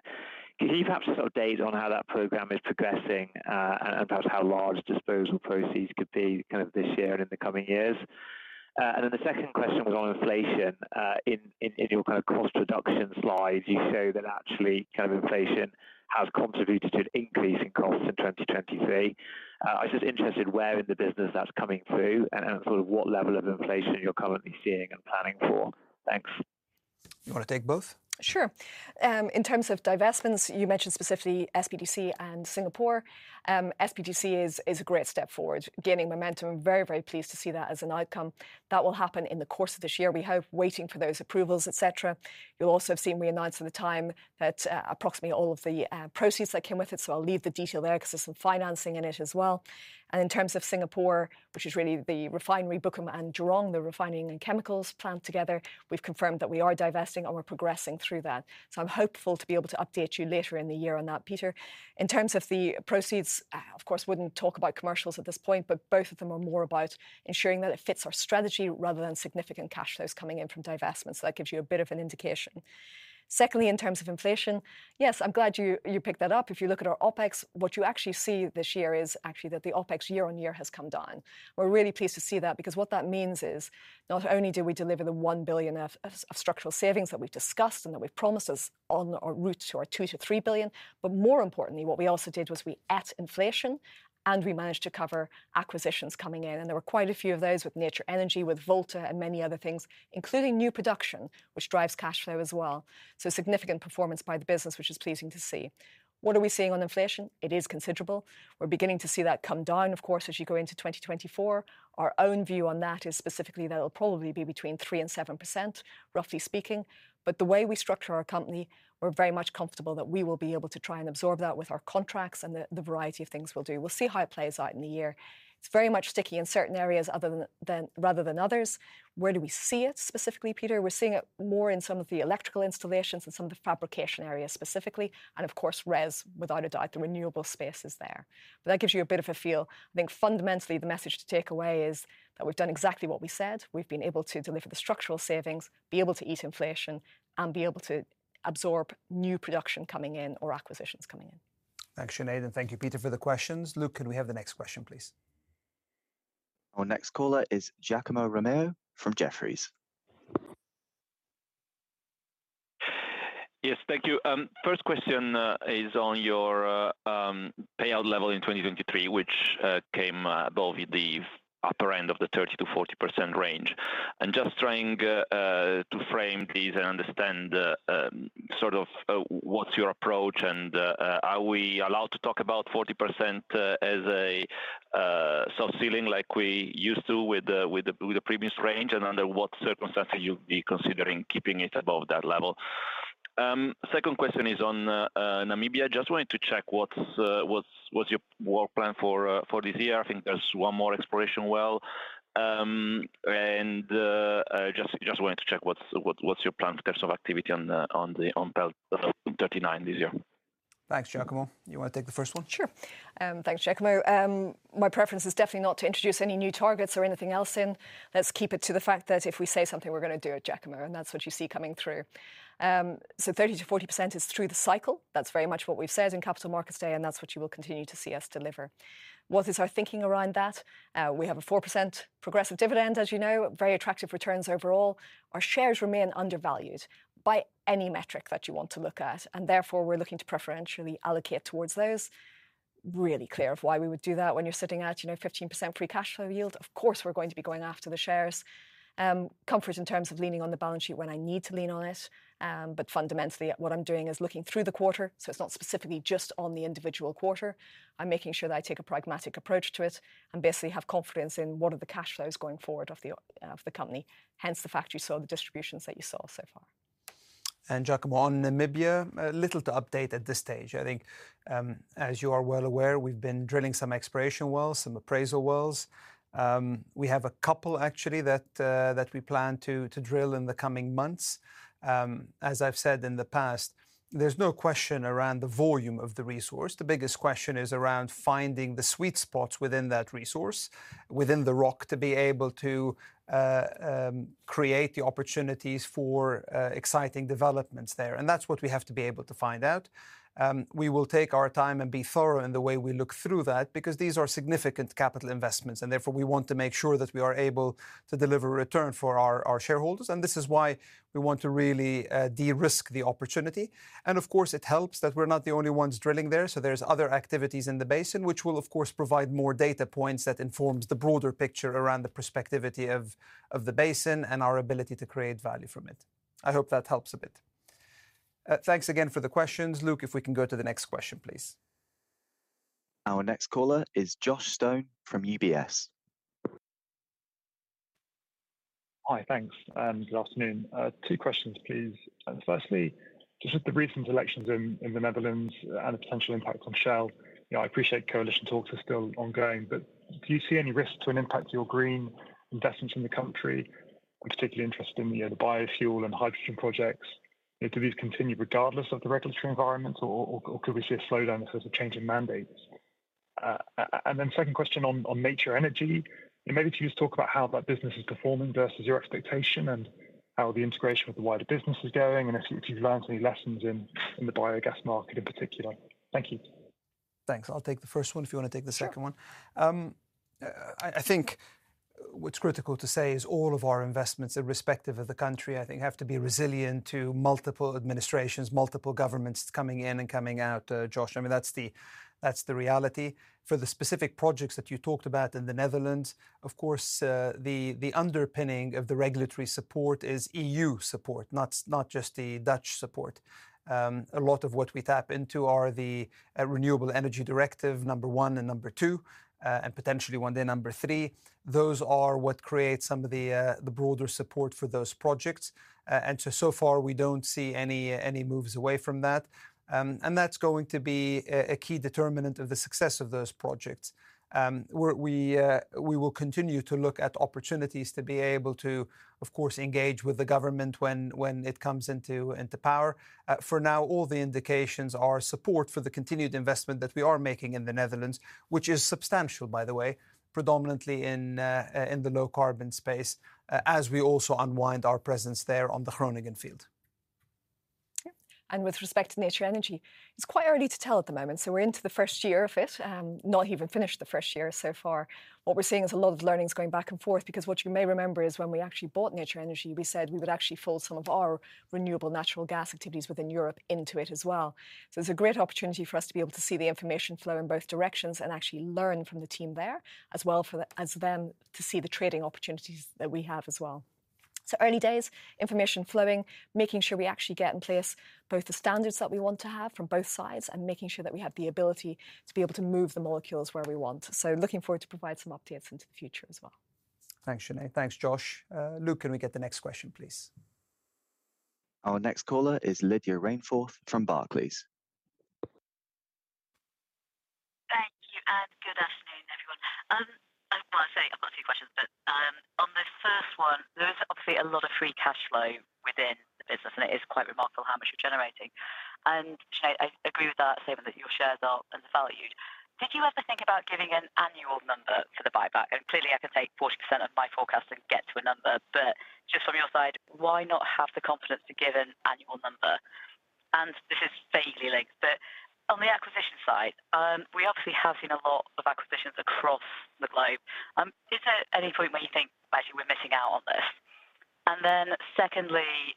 Can you perhaps sort of update us on how that program is progressing, and perhaps how large disposal proceeds could be kind of this year and in the coming years? And then the second question was on inflation. In your kind of cost reduction slide, you show that actually kind of inflation has contributed to an increase in costs in 2023. I'm just interested where in the business that's coming through and sort of what level of inflation you're currently seeing and planning for. Thanks.... You wanna take both? Sure. In terms of divestments, you mentioned specifically SPDC and Singapore. SPDC is a great step forward, gaining momentum. Very, very pleased to see that as an outcome. That will happen in the course of this year, we hope, waiting for those approvals, et cetera. You'll also have seen we announced at the time that approximately all of the proceeds that came with it, so I'll leave the detail there, 'cause there's some financing in it as well. And in terms of Singapore, which is really the refinery Bukom and Jurong, the refining and chemicals plant together, we've confirmed that we are divesting, and we're progressing through that. So I'm hopeful to be able to update you later in the year on that, Peter. In terms of the proceeds, I, of course, wouldn't talk about commercials at this point, but both of them are more about ensuring that it fits our strategy rather than significant cash flows coming in from divestments. So that gives you a bit of an indication. Secondly, in terms of inflation, yes, I'm glad you picked that up. If you look at our OpEx, what you actually see this year is actually that the OpEx year-on-year has come down. We're really pleased to see that, because what that means is not only do we deliver the $1 billion of structural savings that we've discussed and that we've promised as on our route to our $2 billion-$3 billion, but more importantly, what we also did was we ate inflation, and we managed to cover acquisitions coming in. And there were quite a few of those with Nature Energy, with Volta, and many other things, including new production, which drives cash flow as well, so significant performance by the business, which is pleasing to see. What are we seeing on inflation? It is considerable. We're beginning to see that come down, of course, as you go into 2024. Our own view on that is specifically that it'll probably be between 3%-7%, roughly speaking. But the way we structure our company, we're very much comfortable that we will be able to try and absorb that with our contracts and the, the variety of things we'll do. We'll see how it plays out in the year. It's very much sticky in certain areas other than rather than others. Where do we see it specifically, Peter? We're seeing it more in some of the electrical installations and some of the fabrication areas specifically, and of course, RES, without a doubt, the renewable space is there. But that gives you a bit of a feel. I think fundamentally the message to take away is that we've done exactly what we said. We've been able to deliver the structural savings, be able to eat inflation, and be able to absorb new production coming in or acquisitions coming in. Thanks, Sinead, and thank you, Peter, for the questions. Luke, can we have the next question, please? Our next caller is Giacomo Romeo from Jefferies. Yes, thank you. First question is on your payout level in 2023, which came above the upper end of the 30%-40% range. I'm just trying to frame this and understand sort of what's your approach, and are we allowed to talk about 40% as a soft ceiling like we used to with the previous range? And under what circumstances you'd be considering keeping it above that level? Second question is on Namibia. Just wanted to check what's your work plan for this year. I think there's one more exploration well. And I just wanted to check what's your plan in terms of activity on PEL 39 this year. Thanks, Giacomo. You wanna take the first one? Sure. Thanks, Giacomo. My preference is definitely not to introduce any new targets or anything else in. Let's keep it to the fact that if we say something, we're gonna do it, Giacomo, and that's what you see coming through. So 30%-40% is through the cycle. That's very much what we've said in Capital Markets Day, and that's what you will continue to see us deliver. What is our thinking around that? We have a 4% progressive dividend, as you know, very attractive returns overall. Our shares remain undervalued by any metric that you want to look at, and therefore, we're looking to preferentially allocate towards those. Really clear of why we would do that. When you're sitting at, you know, 15% free cash flow yield, of course, we're going to be going after the shares. Comfort in terms of leaning on the balance sheet when I need to lean on it, but fundamentally, what I'm doing is looking through the quarter, so it's not specifically just on the individual quarter. I'm making sure that I take a pragmatic approach to it and basically have confidence in what are the cash flows going forward of the company, hence the fact you saw the distributions that you saw so far. Giacomo, on Namibia, little to update at this stage. I think, as you are well aware, we've been drilling some exploration wells, some appraisal wells. We have a couple actually that we plan to drill in the coming months. As I've said in the past, there's no question around the volume of the resource. The biggest question is around finding the sweet spots within that resource, within the rock, to be able to create the opportunities for exciting developments there, and that's what we have to be able to find out. We will take our time and be thorough in the way we look through that, because these are significant capital investments, and therefore, we want to make sure that we are able to deliver return for our, our shareholders, and this is why we want to really de-risk the opportunity. And of course, it helps that we're not the only ones drilling there, so there's other activities in the basin, which will, of course, provide more data points that informs the broader picture around the prospectivity of, of the basin and our ability to create value from it. I hope that helps a bit. Thanks again for the questions. Luke, if we can go to the next question, please. Our next caller is Josh Stone from UBS. Hi, thanks, and good afternoon. Two questions, please. Firstly, just with the recent elections in the Netherlands and the potential impact on Shell, you know, I appreciate coalition talks are still ongoing, but do you see any risk to an impact to your green investments in the country? I'm particularly interested in, you know, the biofuel and hydrogen projects. Do these continue regardless of the regulatory environment, or, or, or could we see a slowdown because of changing mandates? And then second question on Nature Energy, maybe can you just talk about how that business is performing versus your expectation and how the integration with the wider business is going, and if you've learned any lessons in the biogas market in particular? Thank you. Thanks. I'll take the first one if you wanna take the second one. Sure. I think what's critical to say is all of our investments, irrespective of the country, I think have to be resilient to multiple administrations, multiple governments coming in and coming out, Josh. I mean, that's the reality. For the specific projects that you talked about in the Netherlands, of course, the underpinning of the regulatory support is EU support, not just the Dutch support. A lot of what we tap into are the renewable energy directive, number 1 and number 2, and potentially one day number 3. Those are what create some of the broader support for those projects. And so far, we don't see any moves away from that. And that's going to be a key determinant of the success of those projects. We will continue to look at opportunities to be able to, of course, engage with the government when it comes into power. For now, all the indications are support for the continued investment that we are making in the Netherlands, which is substantial, by the way, predominantly in the low-carbon space, as we also unwind our presence there on the Groningen field. Yeah. And with respect to Nature Energy, it's quite early to tell at the moment, so we're into the first year of it, not even finished the first year so far. What we're seeing is a lot of learnings going back and forth, because what you may remember is when we actually bought Nature Energy, we said we would actually fold some of our renewable natural gas activities within Europe into it as well. So it's a great opportunity for us to be able to see the information flow in both directions and actually learn from the team there, as well as them to see the trading opportunities that we have as well. So early days, information flowing, making sure we actually get in place both the standards that we want to have from both sides, and making sure that we have the ability to be able to move the molecules where we want. So looking forward to provide some updates into the future as well. Thanks, Sinead. Thanks, Josh. Luke, can we get the next question, please? Our next caller is Lydia Rainforth from Barclays. Thank you, and good afternoon, everyone. Well, I say I've got two questions, but on this first one, there is obviously a lot of free cash flow within the business, and it is quite remarkable how much you're generating. And Sinead, I agree with that statement, that your shares are undervalued. Did you ever think about giving an annual number for the buyback? And clearly, I can take 40% of my forecast and get to a number, but just from your side, why not have the confidence to give an annual number? And this is vaguely linked, but on the acquisition side, we obviously have seen a lot of acquisitions across the globe. Is there any point where you think, "Actually, we're missing out on this?" And then secondly,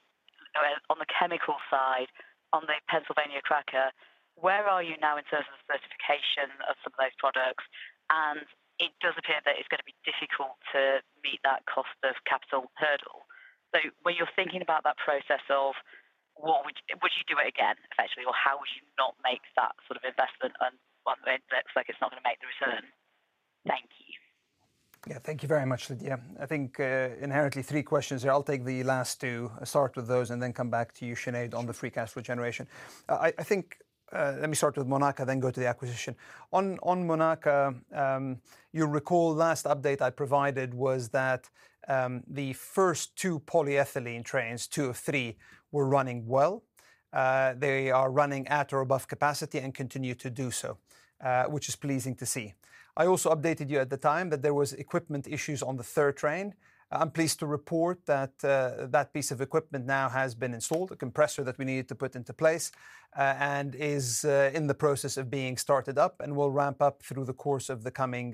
on the chemical side, on the Pennsylvania cracker, where are you now in terms of the specification of some of those products? And it does appear that it's gonna be difficult to meet that cost of capital hurdle. So when you're thinking about that process of what would you... Would you do it again, effectively, or how would you not make that sort of investment and when it looks like it's not gonna make the return? Thank you. Yeah, thank you very much, Lydia. I think inherently three questions here. I'll take the last two, start with those, and then come back to you, Sinead, on the free cash flow generation. I think let me start with Monaca, then go to the acquisition. On Monaca, you'll recall the last update I provided was that the first two polyethylene trains, two of three, were running well. They are running at or above capacity and continue to do so, which is pleasing to see. I also updated you at the time that there was equipment issues on the third train. I'm pleased to report that that piece of equipment now has been installed, a compressor that we needed to put into place, and is in the process of being started up and will ramp up through the course of the coming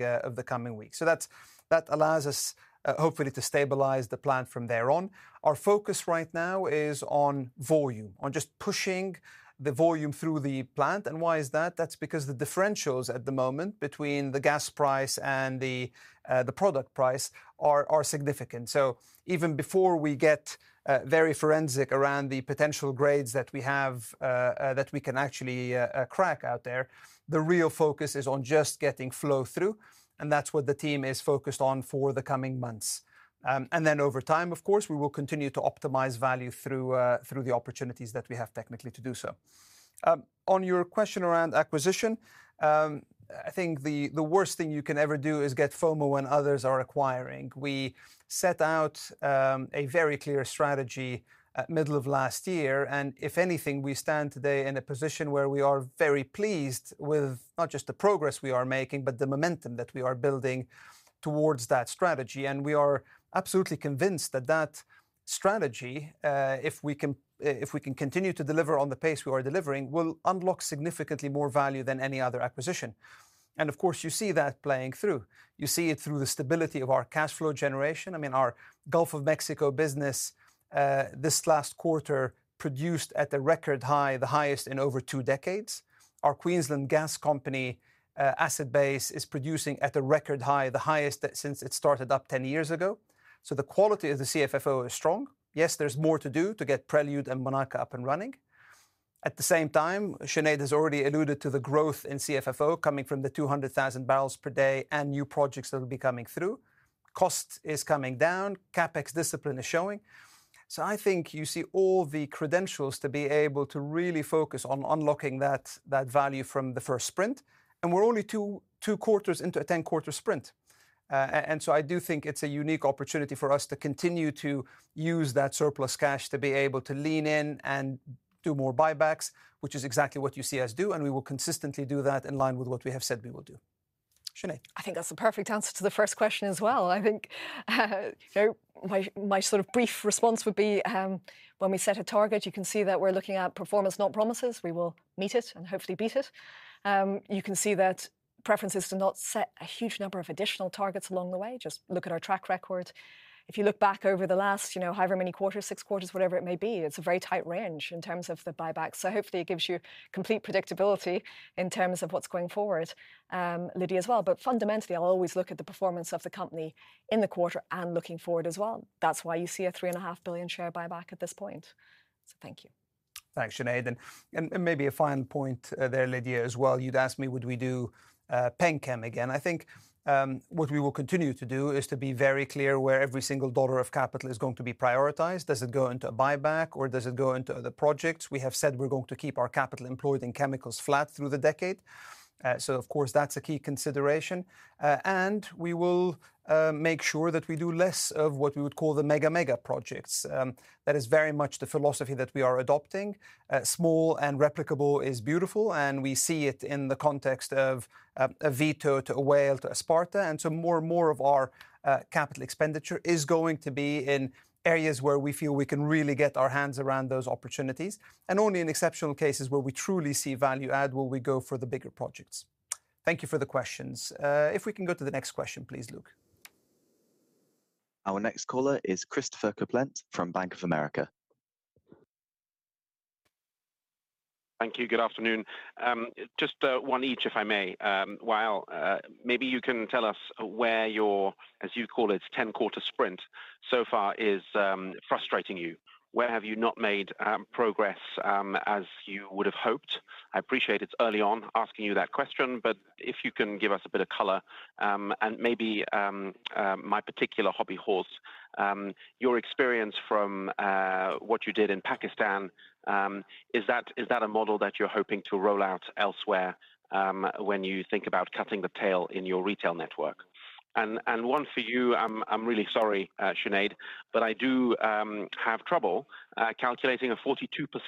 weeks. So that allows us, hopefully, to stabilize the plant from thereon. Our focus right now is on volume, on just pushing the volume through the plant. And why is that? That's because the differentials at the moment between the gas price and the product price are significant. So even before we get very forensic around the potential grades that we have, that we can actually crack out there, the real focus is on just getting flow through, and that's what the team is focused on for the coming months. And then over time, of course, we will continue to optimize value through the opportunities that we have technically to do so. On your question around acquisition, I think the worst thing you can ever do is get FOMO when others are acquiring. We set out a very clear strategy at middle of last year, and if anything, we stand today in a position where we are very pleased with not just the progress we are making, but the momentum that we are building towards that strategy. And we are absolutely convinced that that strategy, if we can, if we can continue to deliver on the pace we are delivering, will unlock significantly more value than any other acquisition. And of course, you see that playing through. You see it through the stability of our cash flow generation. I mean, our Gulf of Mexico business, this last quarter produced at a record high, the highest in over 2 decades. Our Queensland Gas Company, asset base is producing at a record high, the highest since it started up 10 years ago. So the quality of the CFFO is strong. Yes, there's more to do to get Prelude and Monaca up and running. At the same time, Sinead has already alluded to the growth in CFFO coming from the 200,000 barrels per day and new projects that will be coming through. Cost is coming down, CapEx discipline is showing. So I think you see all the credentials to be able to really focus on unlocking that, that value from the first sprint, and we're only 2, 2 quarters into a 10-quarter sprint. So I do think it's a unique opportunity for us to continue to use that surplus cash to be able to lean in and do more buybacks, which is exactly what you see us do, and we will consistently do that in line with what we have said we will do. Sinead? I think that's a perfect answer to the first question as well. I think, very... My, my sort of brief response would be, when we set a target, you can see that we're looking at performance, not promises. We will meet it and hopefully beat it. You can see that preferences to not set a huge number of additional targets along the way. Just look at our track record. If you look back over the last, you know, however many quarters, six quarters, whatever it may be, it's a very tight range in terms of the buyback. So hopefully, it gives you complete predictability in terms of what's going forward, Lydia, as well. But fundamentally, I'll always look at the performance of the company in the quarter and looking forward as well. That's why you see a $3.5 billion share buyback at this point. So thank you. Thanks, Sinead. And maybe a fine point there, Lydia, as well. You'd asked me, would we do Penn Chem again? I think, what we will continue to do is to be very clear where every single dollar of capital is going to be prioritized. Does it go into a buyback, or does it go into other projects? We have said we're going to keep our capital employed in chemicals flat through the decade. So of course, that's a key consideration. And we will make sure that we do less of what we would call the mega, mega projects. That is very much the philosophy that we are adopting. Small and replicable is beautiful, and we see it in the context of a Vito, to a Whale, to a Sparta. And so more and more of our capital expenditure is going to be in areas where we feel we can really get our hands around those opportunities, and only in exceptional cases where we truly see value add will we go for the bigger projects. Thank you for the questions. If we can go to the next question, please, Luke. Our next caller is Christopher Kuplent from Bank of America. Thank you. Good afternoon. Just, one each, if I may. Wael, maybe you can tell us where your, as you call it, ten-quarter sprint so far is, frustrating you. Where have you not made, progress, as you would have hoped? I appreciate it's early on asking you that question, but if you can give us a bit of color, and maybe, my particular hobby horse, your experience from, what you did in Pakistan, is that, is that a model that you're hoping to roll out elsewhere, when you think about cutting the tail in your retail network? One for you, I'm really sorry, Sinead, but I do have trouble calculating a 42%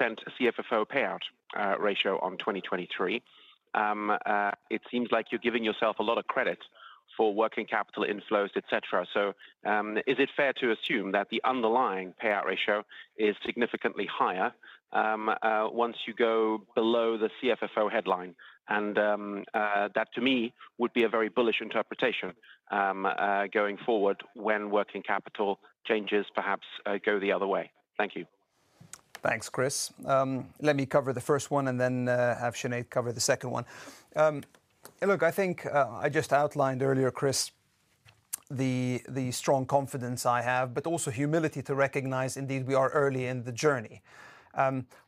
CFFO payout ratio on 2023. It seems like you're giving yourself a lot of credit for working capital inflows, et cetera. So, is it fair to assume that the underlying payout ratio is significantly higher, once you go below the CFFO headline? That to me would be a very bullish interpretation, going forward when working capital changes perhaps go the other way. Thank you. Thanks, Chris. Let me cover the first one, and then have Sinead cover the second one. Look, I think I just outlined earlier, Chris, the strong confidence I have, but also humility to recognize indeed we are early in the journey.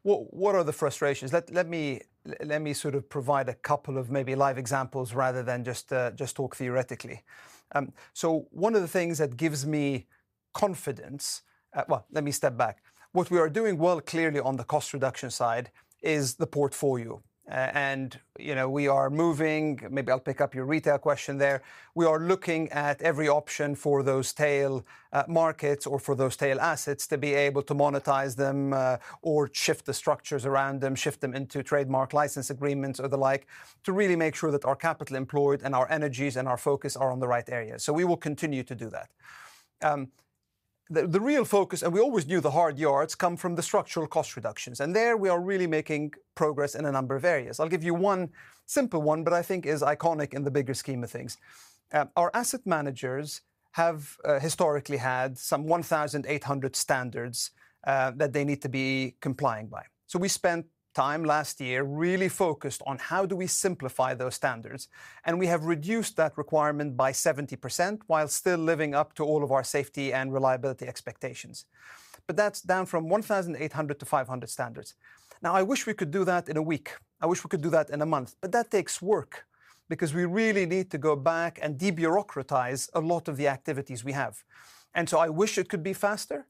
What are the frustrations? Let me sort of provide a couple of maybe live examples rather than just talk theoretically. So one of the things that gives me confidence... Well, let me step back. What we are doing well, clearly, on the cost reduction side is the portfolio. And, you know, we are moving, maybe I'll pick up your retail question there. We are looking at every option for those tail markets or for those tail assets to be able to monetize them, or shift the structures around them, shift them into trademark license agreements or the like, to really make sure that our capital employed and our energies and our focus are on the right area. So we will continue to do that. The real focus, and we always knew the hard yards, come from the structural cost reductions, and there we are really making progress in a number of areas. I'll give you one simple one, but I think is iconic in the bigger scheme of things. Our asset managers have historically had some 1,800 standards that they need to be complying by. So we spent time last year really focused on how do we simplify those standards, and we have reduced that requirement by 70%, while still living up to all of our safety and reliability expectations. But that's down from 1,800 to 500 standards. Now, I wish we could do that in a week. I wish we could do that in a month, but that takes work because we really need to go back and de-bureaucratize a lot of the activities we have. And so I wish it could be faster,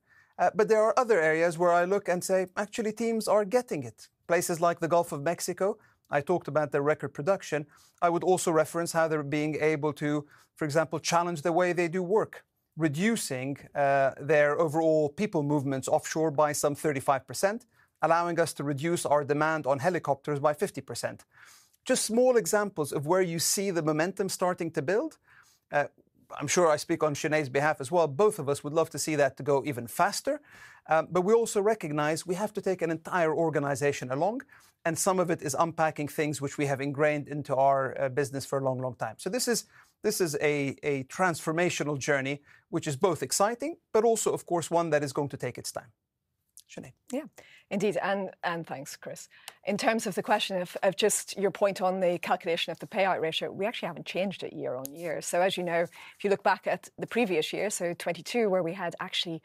but there are other areas where I look and say, "Actually, teams are getting it." Places like the Gulf of Mexico, I talked about their record production. I would also reference how they're being able to, for example, challenge the way they do work, reducing their overall people movements offshore by some 35%, allowing us to reduce our demand on helicopters by 50%. Just small examples of where you see the momentum starting to build. I'm sure I speak on Sinead's behalf as well. Both of us would love to see that to go even faster, but we also recognize we have to take an entire organization along, and some of it is unpacking things which we have ingrained into our business for a long, long time. So this is a transformational journey, which is both exciting, but also, of course, one that is going to take its time. Sinead? Yeah. Indeed, and thanks, Chris. In terms of the question of just your point on the calculation of the payout ratio, we actually haven't changed it year on year. So as you know, if you look back at the previous year, so 2022, where we had actually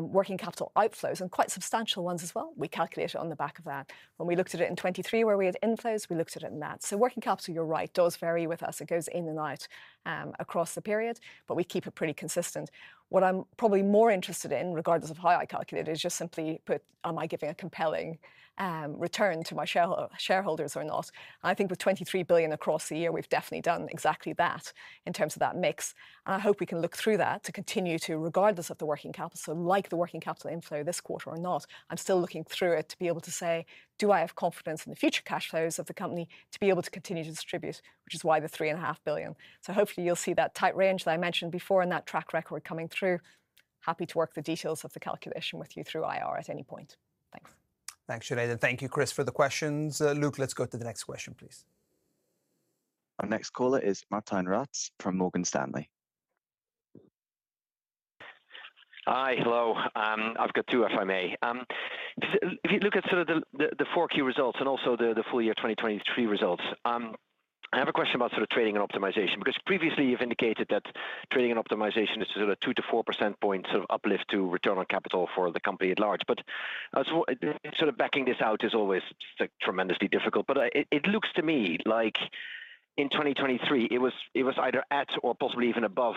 working capital outflows and quite substantial ones as well, we calculated it on the back of that. When we looked at it in 2023, where we had inflows, we looked at it in that. So working capital, you're right, does vary with us. It goes in and out across the period, but we keep it pretty consistent. What I'm probably more interested in, regardless of how I calculate it, is just simply put, am I giving a compelling return to my shareholders or not? I think with $23 billion across the year, we've definitely done exactly that in terms of that mix. And I hope we can look through that to continue to, regardless of the working capital, so like the working capital inflow this quarter or not, I'm still looking through it to be able to say, "Do I have confidence in the future cash flows of the company to be able to continue to distribute?" Which is why the $3.5 billion. So hopefully, you'll see that tight range that I mentioned before and that track record coming through. Happy to work the details of the calculation with you through IR at any point. Thanks.... Thanks, Sinead, and thank you, Chris, for the questions. Luke, let's go to the next question, please. Our next caller is Martijn Rats from Morgan Stanley. Hi, hello. I've got two, if I may. If you look at sort of the 4 key results and also the full year 2023 results, I have a question about sort of trading and optimization, because previously you've indicated that trading and optimization is sort of a 2-4 percentage point sort of uplift to return on capital for the company at large. But so sort of backing this out is always, like, tremendously difficult, but it looks to me like in 2023, it was either at or possibly even above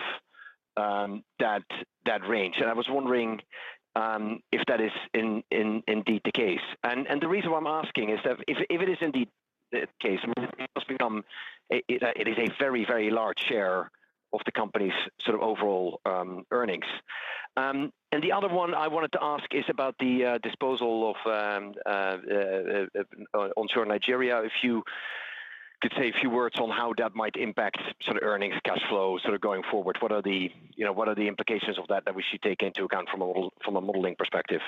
that range. And I was wondering if that is indeed the case. The reason why I'm asking is that if it is indeed the case, it must become a it is a very, very large share of the company's sort of overall earnings. And the other one I wanted to ask is about the disposal of onshore Nigeria. If you could say a few words on how that might impact sort of earnings, cash flow, sort of going forward. What are the, you know, what are the implications of that we should take into account from a modeling perspective?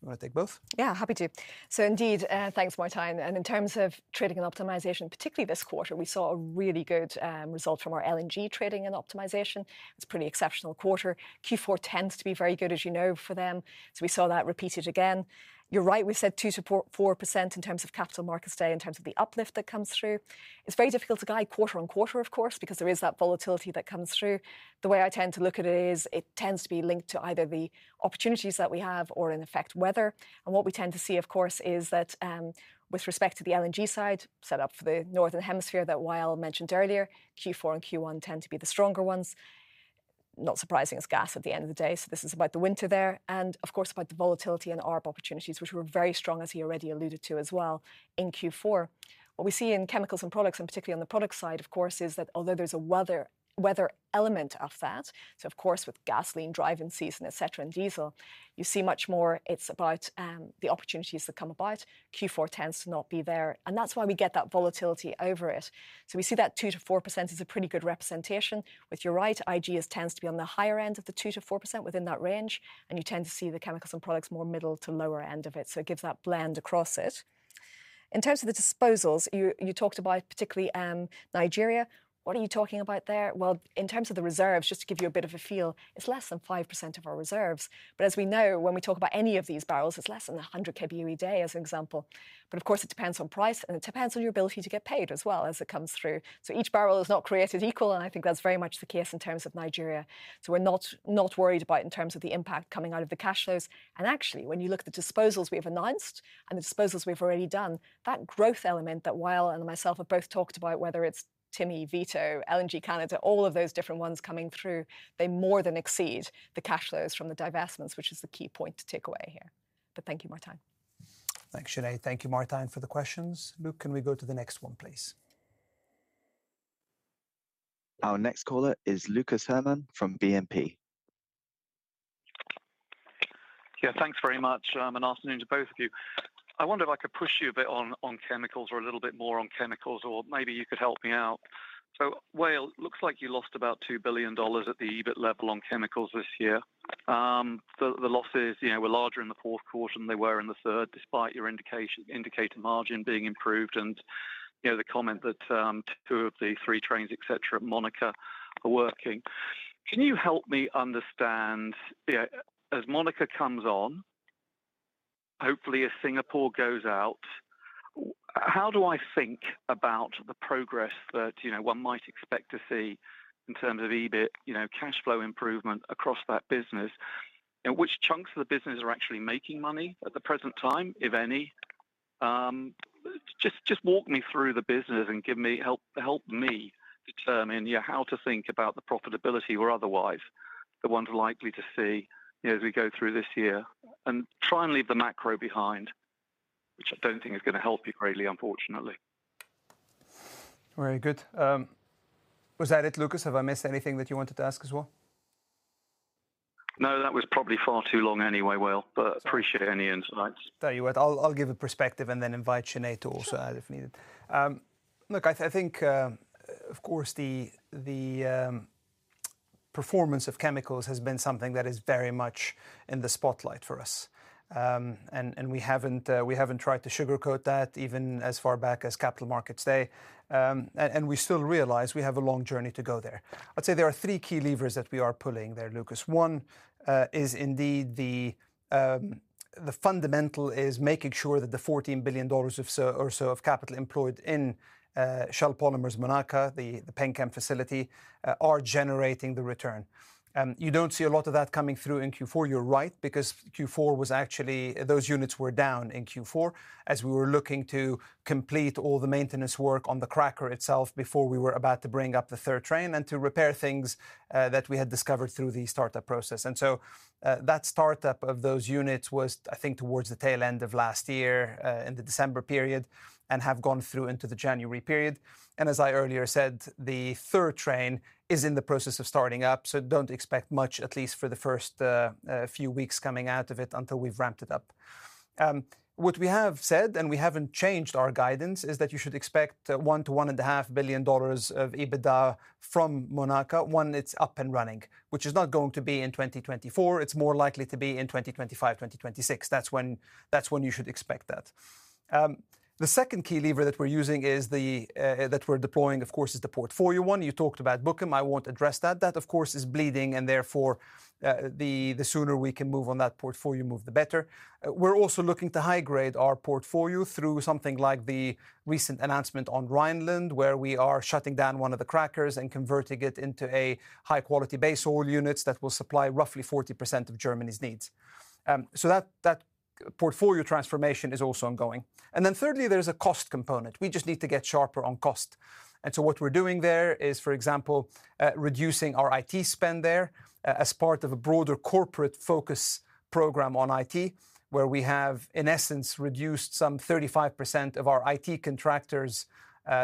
You wanna take both? Yeah, happy to. So indeed, thanks, Martijn. And in terms of trading and optimization, particularly this quarter, we saw a really good result from our LNG trading and optimization. It's a pretty exceptional quarter. Q4 tends to be very good, as you know, for them, so we saw that repeated again. You're right, we said 2%-4% in terms of Capital Markets Day, in terms of the uplift that comes through. It's very difficult to guide quarter-on-quarter, of course, because there is that volatility that comes through. The way I tend to look at it is, it tends to be linked to either the opportunities that we have or, in effect, weather. What we tend to see, of course, is that, with respect to the LNG side, set up for the Northern Hemisphere, that Wael mentioned earlier, Q4 and Q1 tend to be the stronger ones. Not surprising, it's gas at the end of the day, so this is about the winter there, and of course, about the volatility and arb opportunities, which were very strong, as he already alluded to as well in Q4. What we see in chemicals and products, and particularly on the product side, of course, is that although there's a weather, weather element of that, so of course, with gasoline driving season, et cetera, and diesel, you see much more it's about, the opportunities that come about. Q4 tends to not be there, and that's why we get that volatility over it. So we see that 2%-4% is a pretty good representation, which you're right, IG is- tends to be on the higher end of the 2%-4%, within that range, and you tend to see the chemicals and products more middle to lower end of it, so it gives that blend across it. In terms of the disposals, you, you talked about particularly, Nigeria. What are you talking about there? Well, in terms of the reserves, just to give you a bit of a feel, it's less than 5% of our reserves. But as we know, when we talk about any of these barrels, it's less than 100 kboe/day, as an example. But of course, it depends on price, and it depends on your ability to get paid as well as it comes through. So each barrel is not created equal, and I think that's very much the case in terms of Nigeria. We're not worried about in terms of the impact coming out of the cash flows. Actually, when you look at the disposals we have announced and the disposals we've already done, that growth element that Wael and myself have both talked about, whether it's Timi, Vito, LNG Canada, all of those different ones coming through, they more than exceed the cash flows from the divestments, which is the key point to take away here. But thank you, Martijn. Thanks, Sinead. Thank you, Martijn, for the questions. Luke, can we go to the next one, please? Our next caller is Lucas Herrmann from BNP. Yeah, thanks very much, and afternoon to both of you. I wonder if I could push you a bit on chemicals or a little bit more on chemicals, or maybe you could help me out. So Wael, looks like you lost about $2 billion at the EBIT level on chemicals this year. The losses, you know, were larger in the fourth quarter than they were in the third, despite your indicated margin being improved and, you know, the comment that two of the three trains, et cetera, at Monaca are working. Can you help me understand, you know, as Monaca comes on, hopefully as Singapore goes out, how do I think about the progress that, you know, one might expect to see in terms of EBIT, you know, cash flow improvement across that business? Which chunks of the business are actually making money at the present time, if any? Just walk me through the business and give me... Help me determine, yeah, how to think about the profitability or otherwise, the ones we're likely to see, you know, as we go through this year. Try and leave the macro behind, which I don't think is gonna help you greatly, unfortunately. Very good. Was that it, Lucas? Have I missed anything that you wanted to ask as well? No, that was probably far too long anyway, Wael, but appreciate any insights. Tell you what, I'll give a perspective and then invite Sinead to also add if needed. Sure. Look, I think, of course, the performance of chemicals has been something that is very much in the spotlight for us. And we haven't tried to sugarcoat that, even as far back as Capital Markets Day. And we still realize we have a long journey to go there. I'd say there are three key levers that we are pulling there, Lucas. One is indeed the fundamental is making sure that the $14 billion or so of capital employed in Shell Polymers Monaca, the PanChem facility, are generating the return. You don't see a lot of that coming through in Q4, you're right, because Q4 was actually... Those units were down in Q4, as we were looking to complete all the maintenance work on the cracker itself before we were about to bring up the third train, and to repair things that we had discovered through the startup process. And so, that startup of those units was, I think, towards the tail end of last year in the December period, and have gone through into the January period. And as I earlier said, the third train is in the process of starting up, so don't expect much, at least for the first few weeks coming out of it until we've ramped it up. What we have said, and we haven't changed our guidance, is that you should expect $1-$1.5 billion of EBITDA from Monaca, when it's up and running, which is not going to be in 2024. It's more likely to be in 2025, 2026. That's when, that's when you should expect that. The second key lever that we're using is the that we're deploying, of course, is the portfolio one. You talked about Bukom. I won't address that. That, of course, is bleeding, and therefore, the sooner we can move on that portfolio move, the better. We're also looking to high-grade our portfolio through something like the recent announcement on Rheinland, where we are shutting down one of the crackers and converting it into a high-quality base oil units that will supply roughly 40% of Germany's needs. So that portfolio transformation is also ongoing. And then thirdly, there's a cost component. We just need to get sharper on cost. And so what we're doing there is, for example, reducing our IT spend there, as part of a broader corporate focus program on IT, where we have, in essence, reduced some 35% of our IT contractors,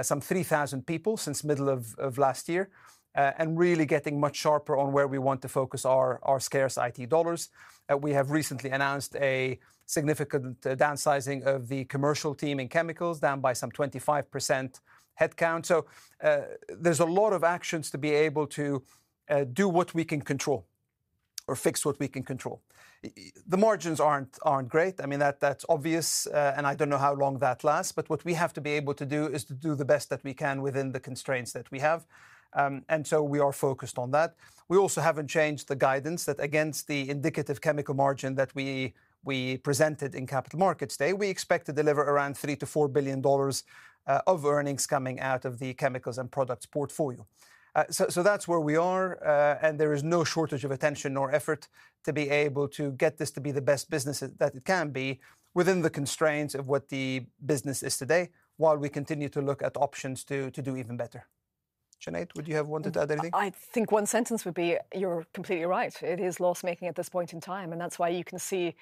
some 3,000 people since middle of last year, and really getting much sharper on where we want to focus our scarce IT dollars. We have recently announced a significant downsizing of the commercial team in chemicals, down by some 25% headcount. So, there's a lot of actions to be able to do what we can control or fix what we can control. The margins aren't great. I mean, that's obvious, and I don't know how long that lasts, but what we have to be able to do is to do the best that we can within the constraints that we have. And so we are focused on that. We also haven't changed the guidance that, against the indicative chemical margin that we presented in Capital Markets Day, we expect to deliver around $3-$4 billion of earnings coming out of the chemicals and products portfolio. So that's where we are, and there is no shortage of attention nor effort to be able to get this to be the best business that it can be within the constraints of what the business is today, while we continue to look at options to do even better. Sinead, would you have wanted to add anything? I think one sentence would be, you're completely right. It is loss-making at this point in time, and that's why you can see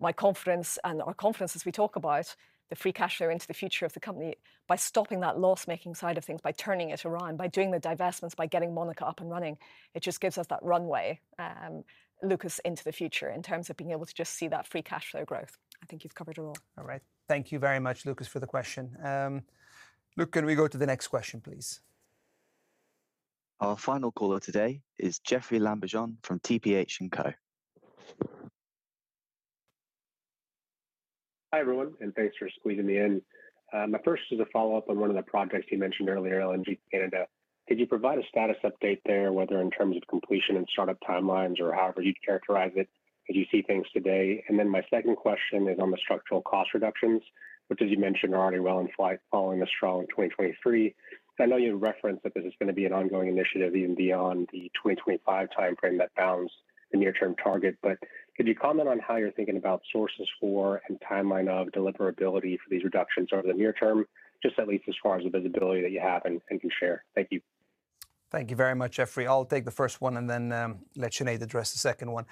my confidence and our confidence as we talk about the free cash flow into the future of the company. By stopping that loss-making side of things, by turning it around, by doing the divestments, by getting Monaca up and running, it just gives us that runway, Lucas, into the future in terms of being able to just see that free cash flow growth. I think you've covered it all. All right. Thank you very much, Lucas, for the question. Luke, can we go to the next question, please? Our final caller today is Jeoffrey Lambujon from TPH & Co. Hi, everyone, and thanks for squeezing me in. My first is a follow-up on one of the projects you mentioned earlier, LNG Canada. Could you provide a status update there, whether in terms of completion and startup timelines or however you'd characterize it, as you see things today? And then my second question is on the structural cost reductions, which, as you mentioned, are already well in flight following a strong 2023. I know you referenced that this is gonna be an ongoing initiative even beyond the 2025 timeframe that bounds the near-term target. But could you comment on how you're thinking about sources for and timeline of deliverability for these reductions over the near term? Just at least as far as the visibility that you have and can share. Thank you. Thank you very much, Jeffrey. I'll take the first one and then let Sinead address the second one.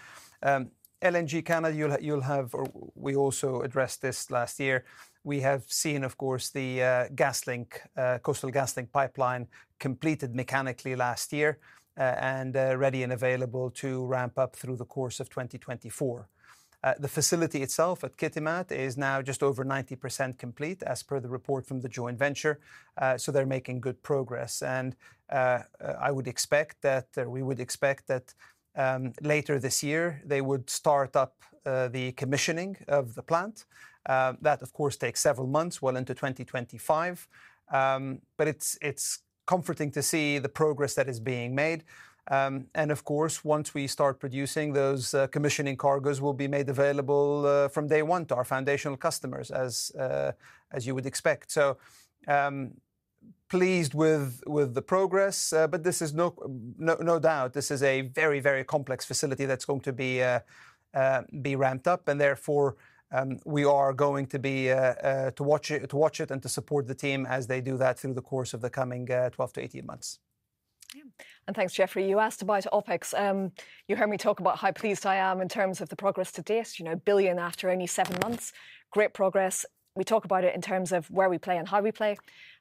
LNG Canada, you'll have... Or we also addressed this last year. We have seen, of course, the Coastal GasLink pipeline completed mechanically last year, and ready and available to ramp up through the course of 2024. The facility itself at Kitimat is now just over 90% complete, as per the report from the joint venture. So they're making good progress, and I would expect that we would expect that later this year, they would start up the commissioning of the plant. That, of course, takes several months, well into 2025. But it's comforting to see the progress that is being made. Of course, once we start producing, those commissioning cargoes will be made available from day one to our foundational customers, as you would expect. So, pleased with the progress, but this is no doubt, this is a very complex facility that's going to be ramped up, and therefore, we are going to be to watch it and to support the team as they do that through the course of the coming 12-18 months. Yeah. And thanks, Jeffrey. You asked about OpEx. You heard me talk about how pleased I am in terms of the progress to date, you know, $1 billion after only 7 months. Great progress. We talk about it in terms of where we play and how we play.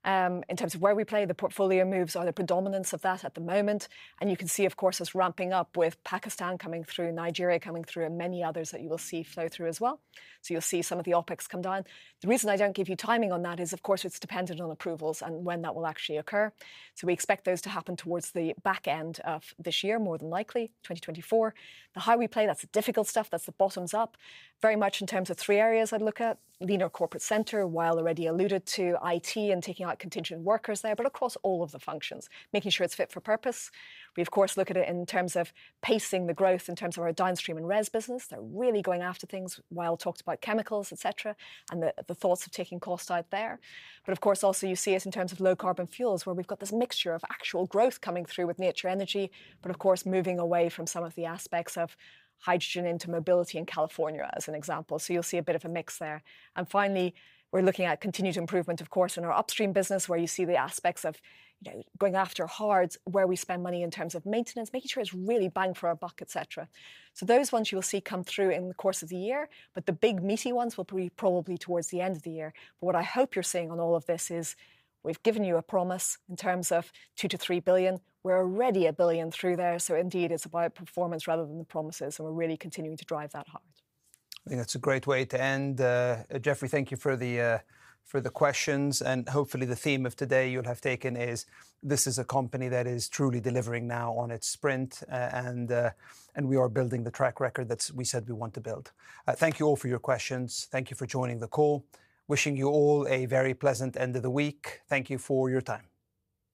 In terms of where we play, the portfolio moves are the predominance of that at the moment, and you can see, of course, us ramping up with Pakistan coming through, Nigeria coming through, and many others that you will see flow through as well. So you'll see some of the OpEx come down. The reason I don't give you timing on that is, of course, it's dependent on approvals and when that will actually occur. So we expect those to happen towards the back end of this year, more than likely, 2024. The how we play, that's the difficult stuff, that's the bottoms up. Very much in terms of three areas I'd look at: leaner corporate center, Wael already alluded to IT and taking out contingent workers there, but across all of the functions, making sure it's fit for purpose. We, of course, look at it in terms of pacing the growth in terms of our downstream and res business. They're really going after things. Wael talked about chemicals, et cetera, and the, the thoughts of taking cost out there. But of course, also you see us in terms of low-carbon fuels, where we've got this mixture of actual growth coming through with Nature Energy, but of course, moving away from some of the aspects of hydrogen into mobility in California, as an example. So you'll see a bit of a mix there. Finally, we're looking at continued improvement, of course, in our upstream business, where you see the aspects of, you know, going after hards, where we spend money in terms of maintenance, making sure it's really bang for our buck, et cetera. So those ones you will see come through in the course of the year, but the big, meaty ones will be probably towards the end of the year. But what I hope you're seeing on all of this is, we've given you a promise in terms of $2 billion-$3 billion. We're already $1 billion through there, so indeed, it's about performance rather than the promises, so we're really continuing to drive that hard. I think that's a great way to end. Jeffrey, thank you for the questions, and hopefully, the theme of today you'll have taken is, this is a company that is truly delivering now on its sprint, and we are building the track record that we said we want to build. Thank you all for your questions. Thank you for joining the call. Wishing you all a very pleasant end of the week. Thank you for your time.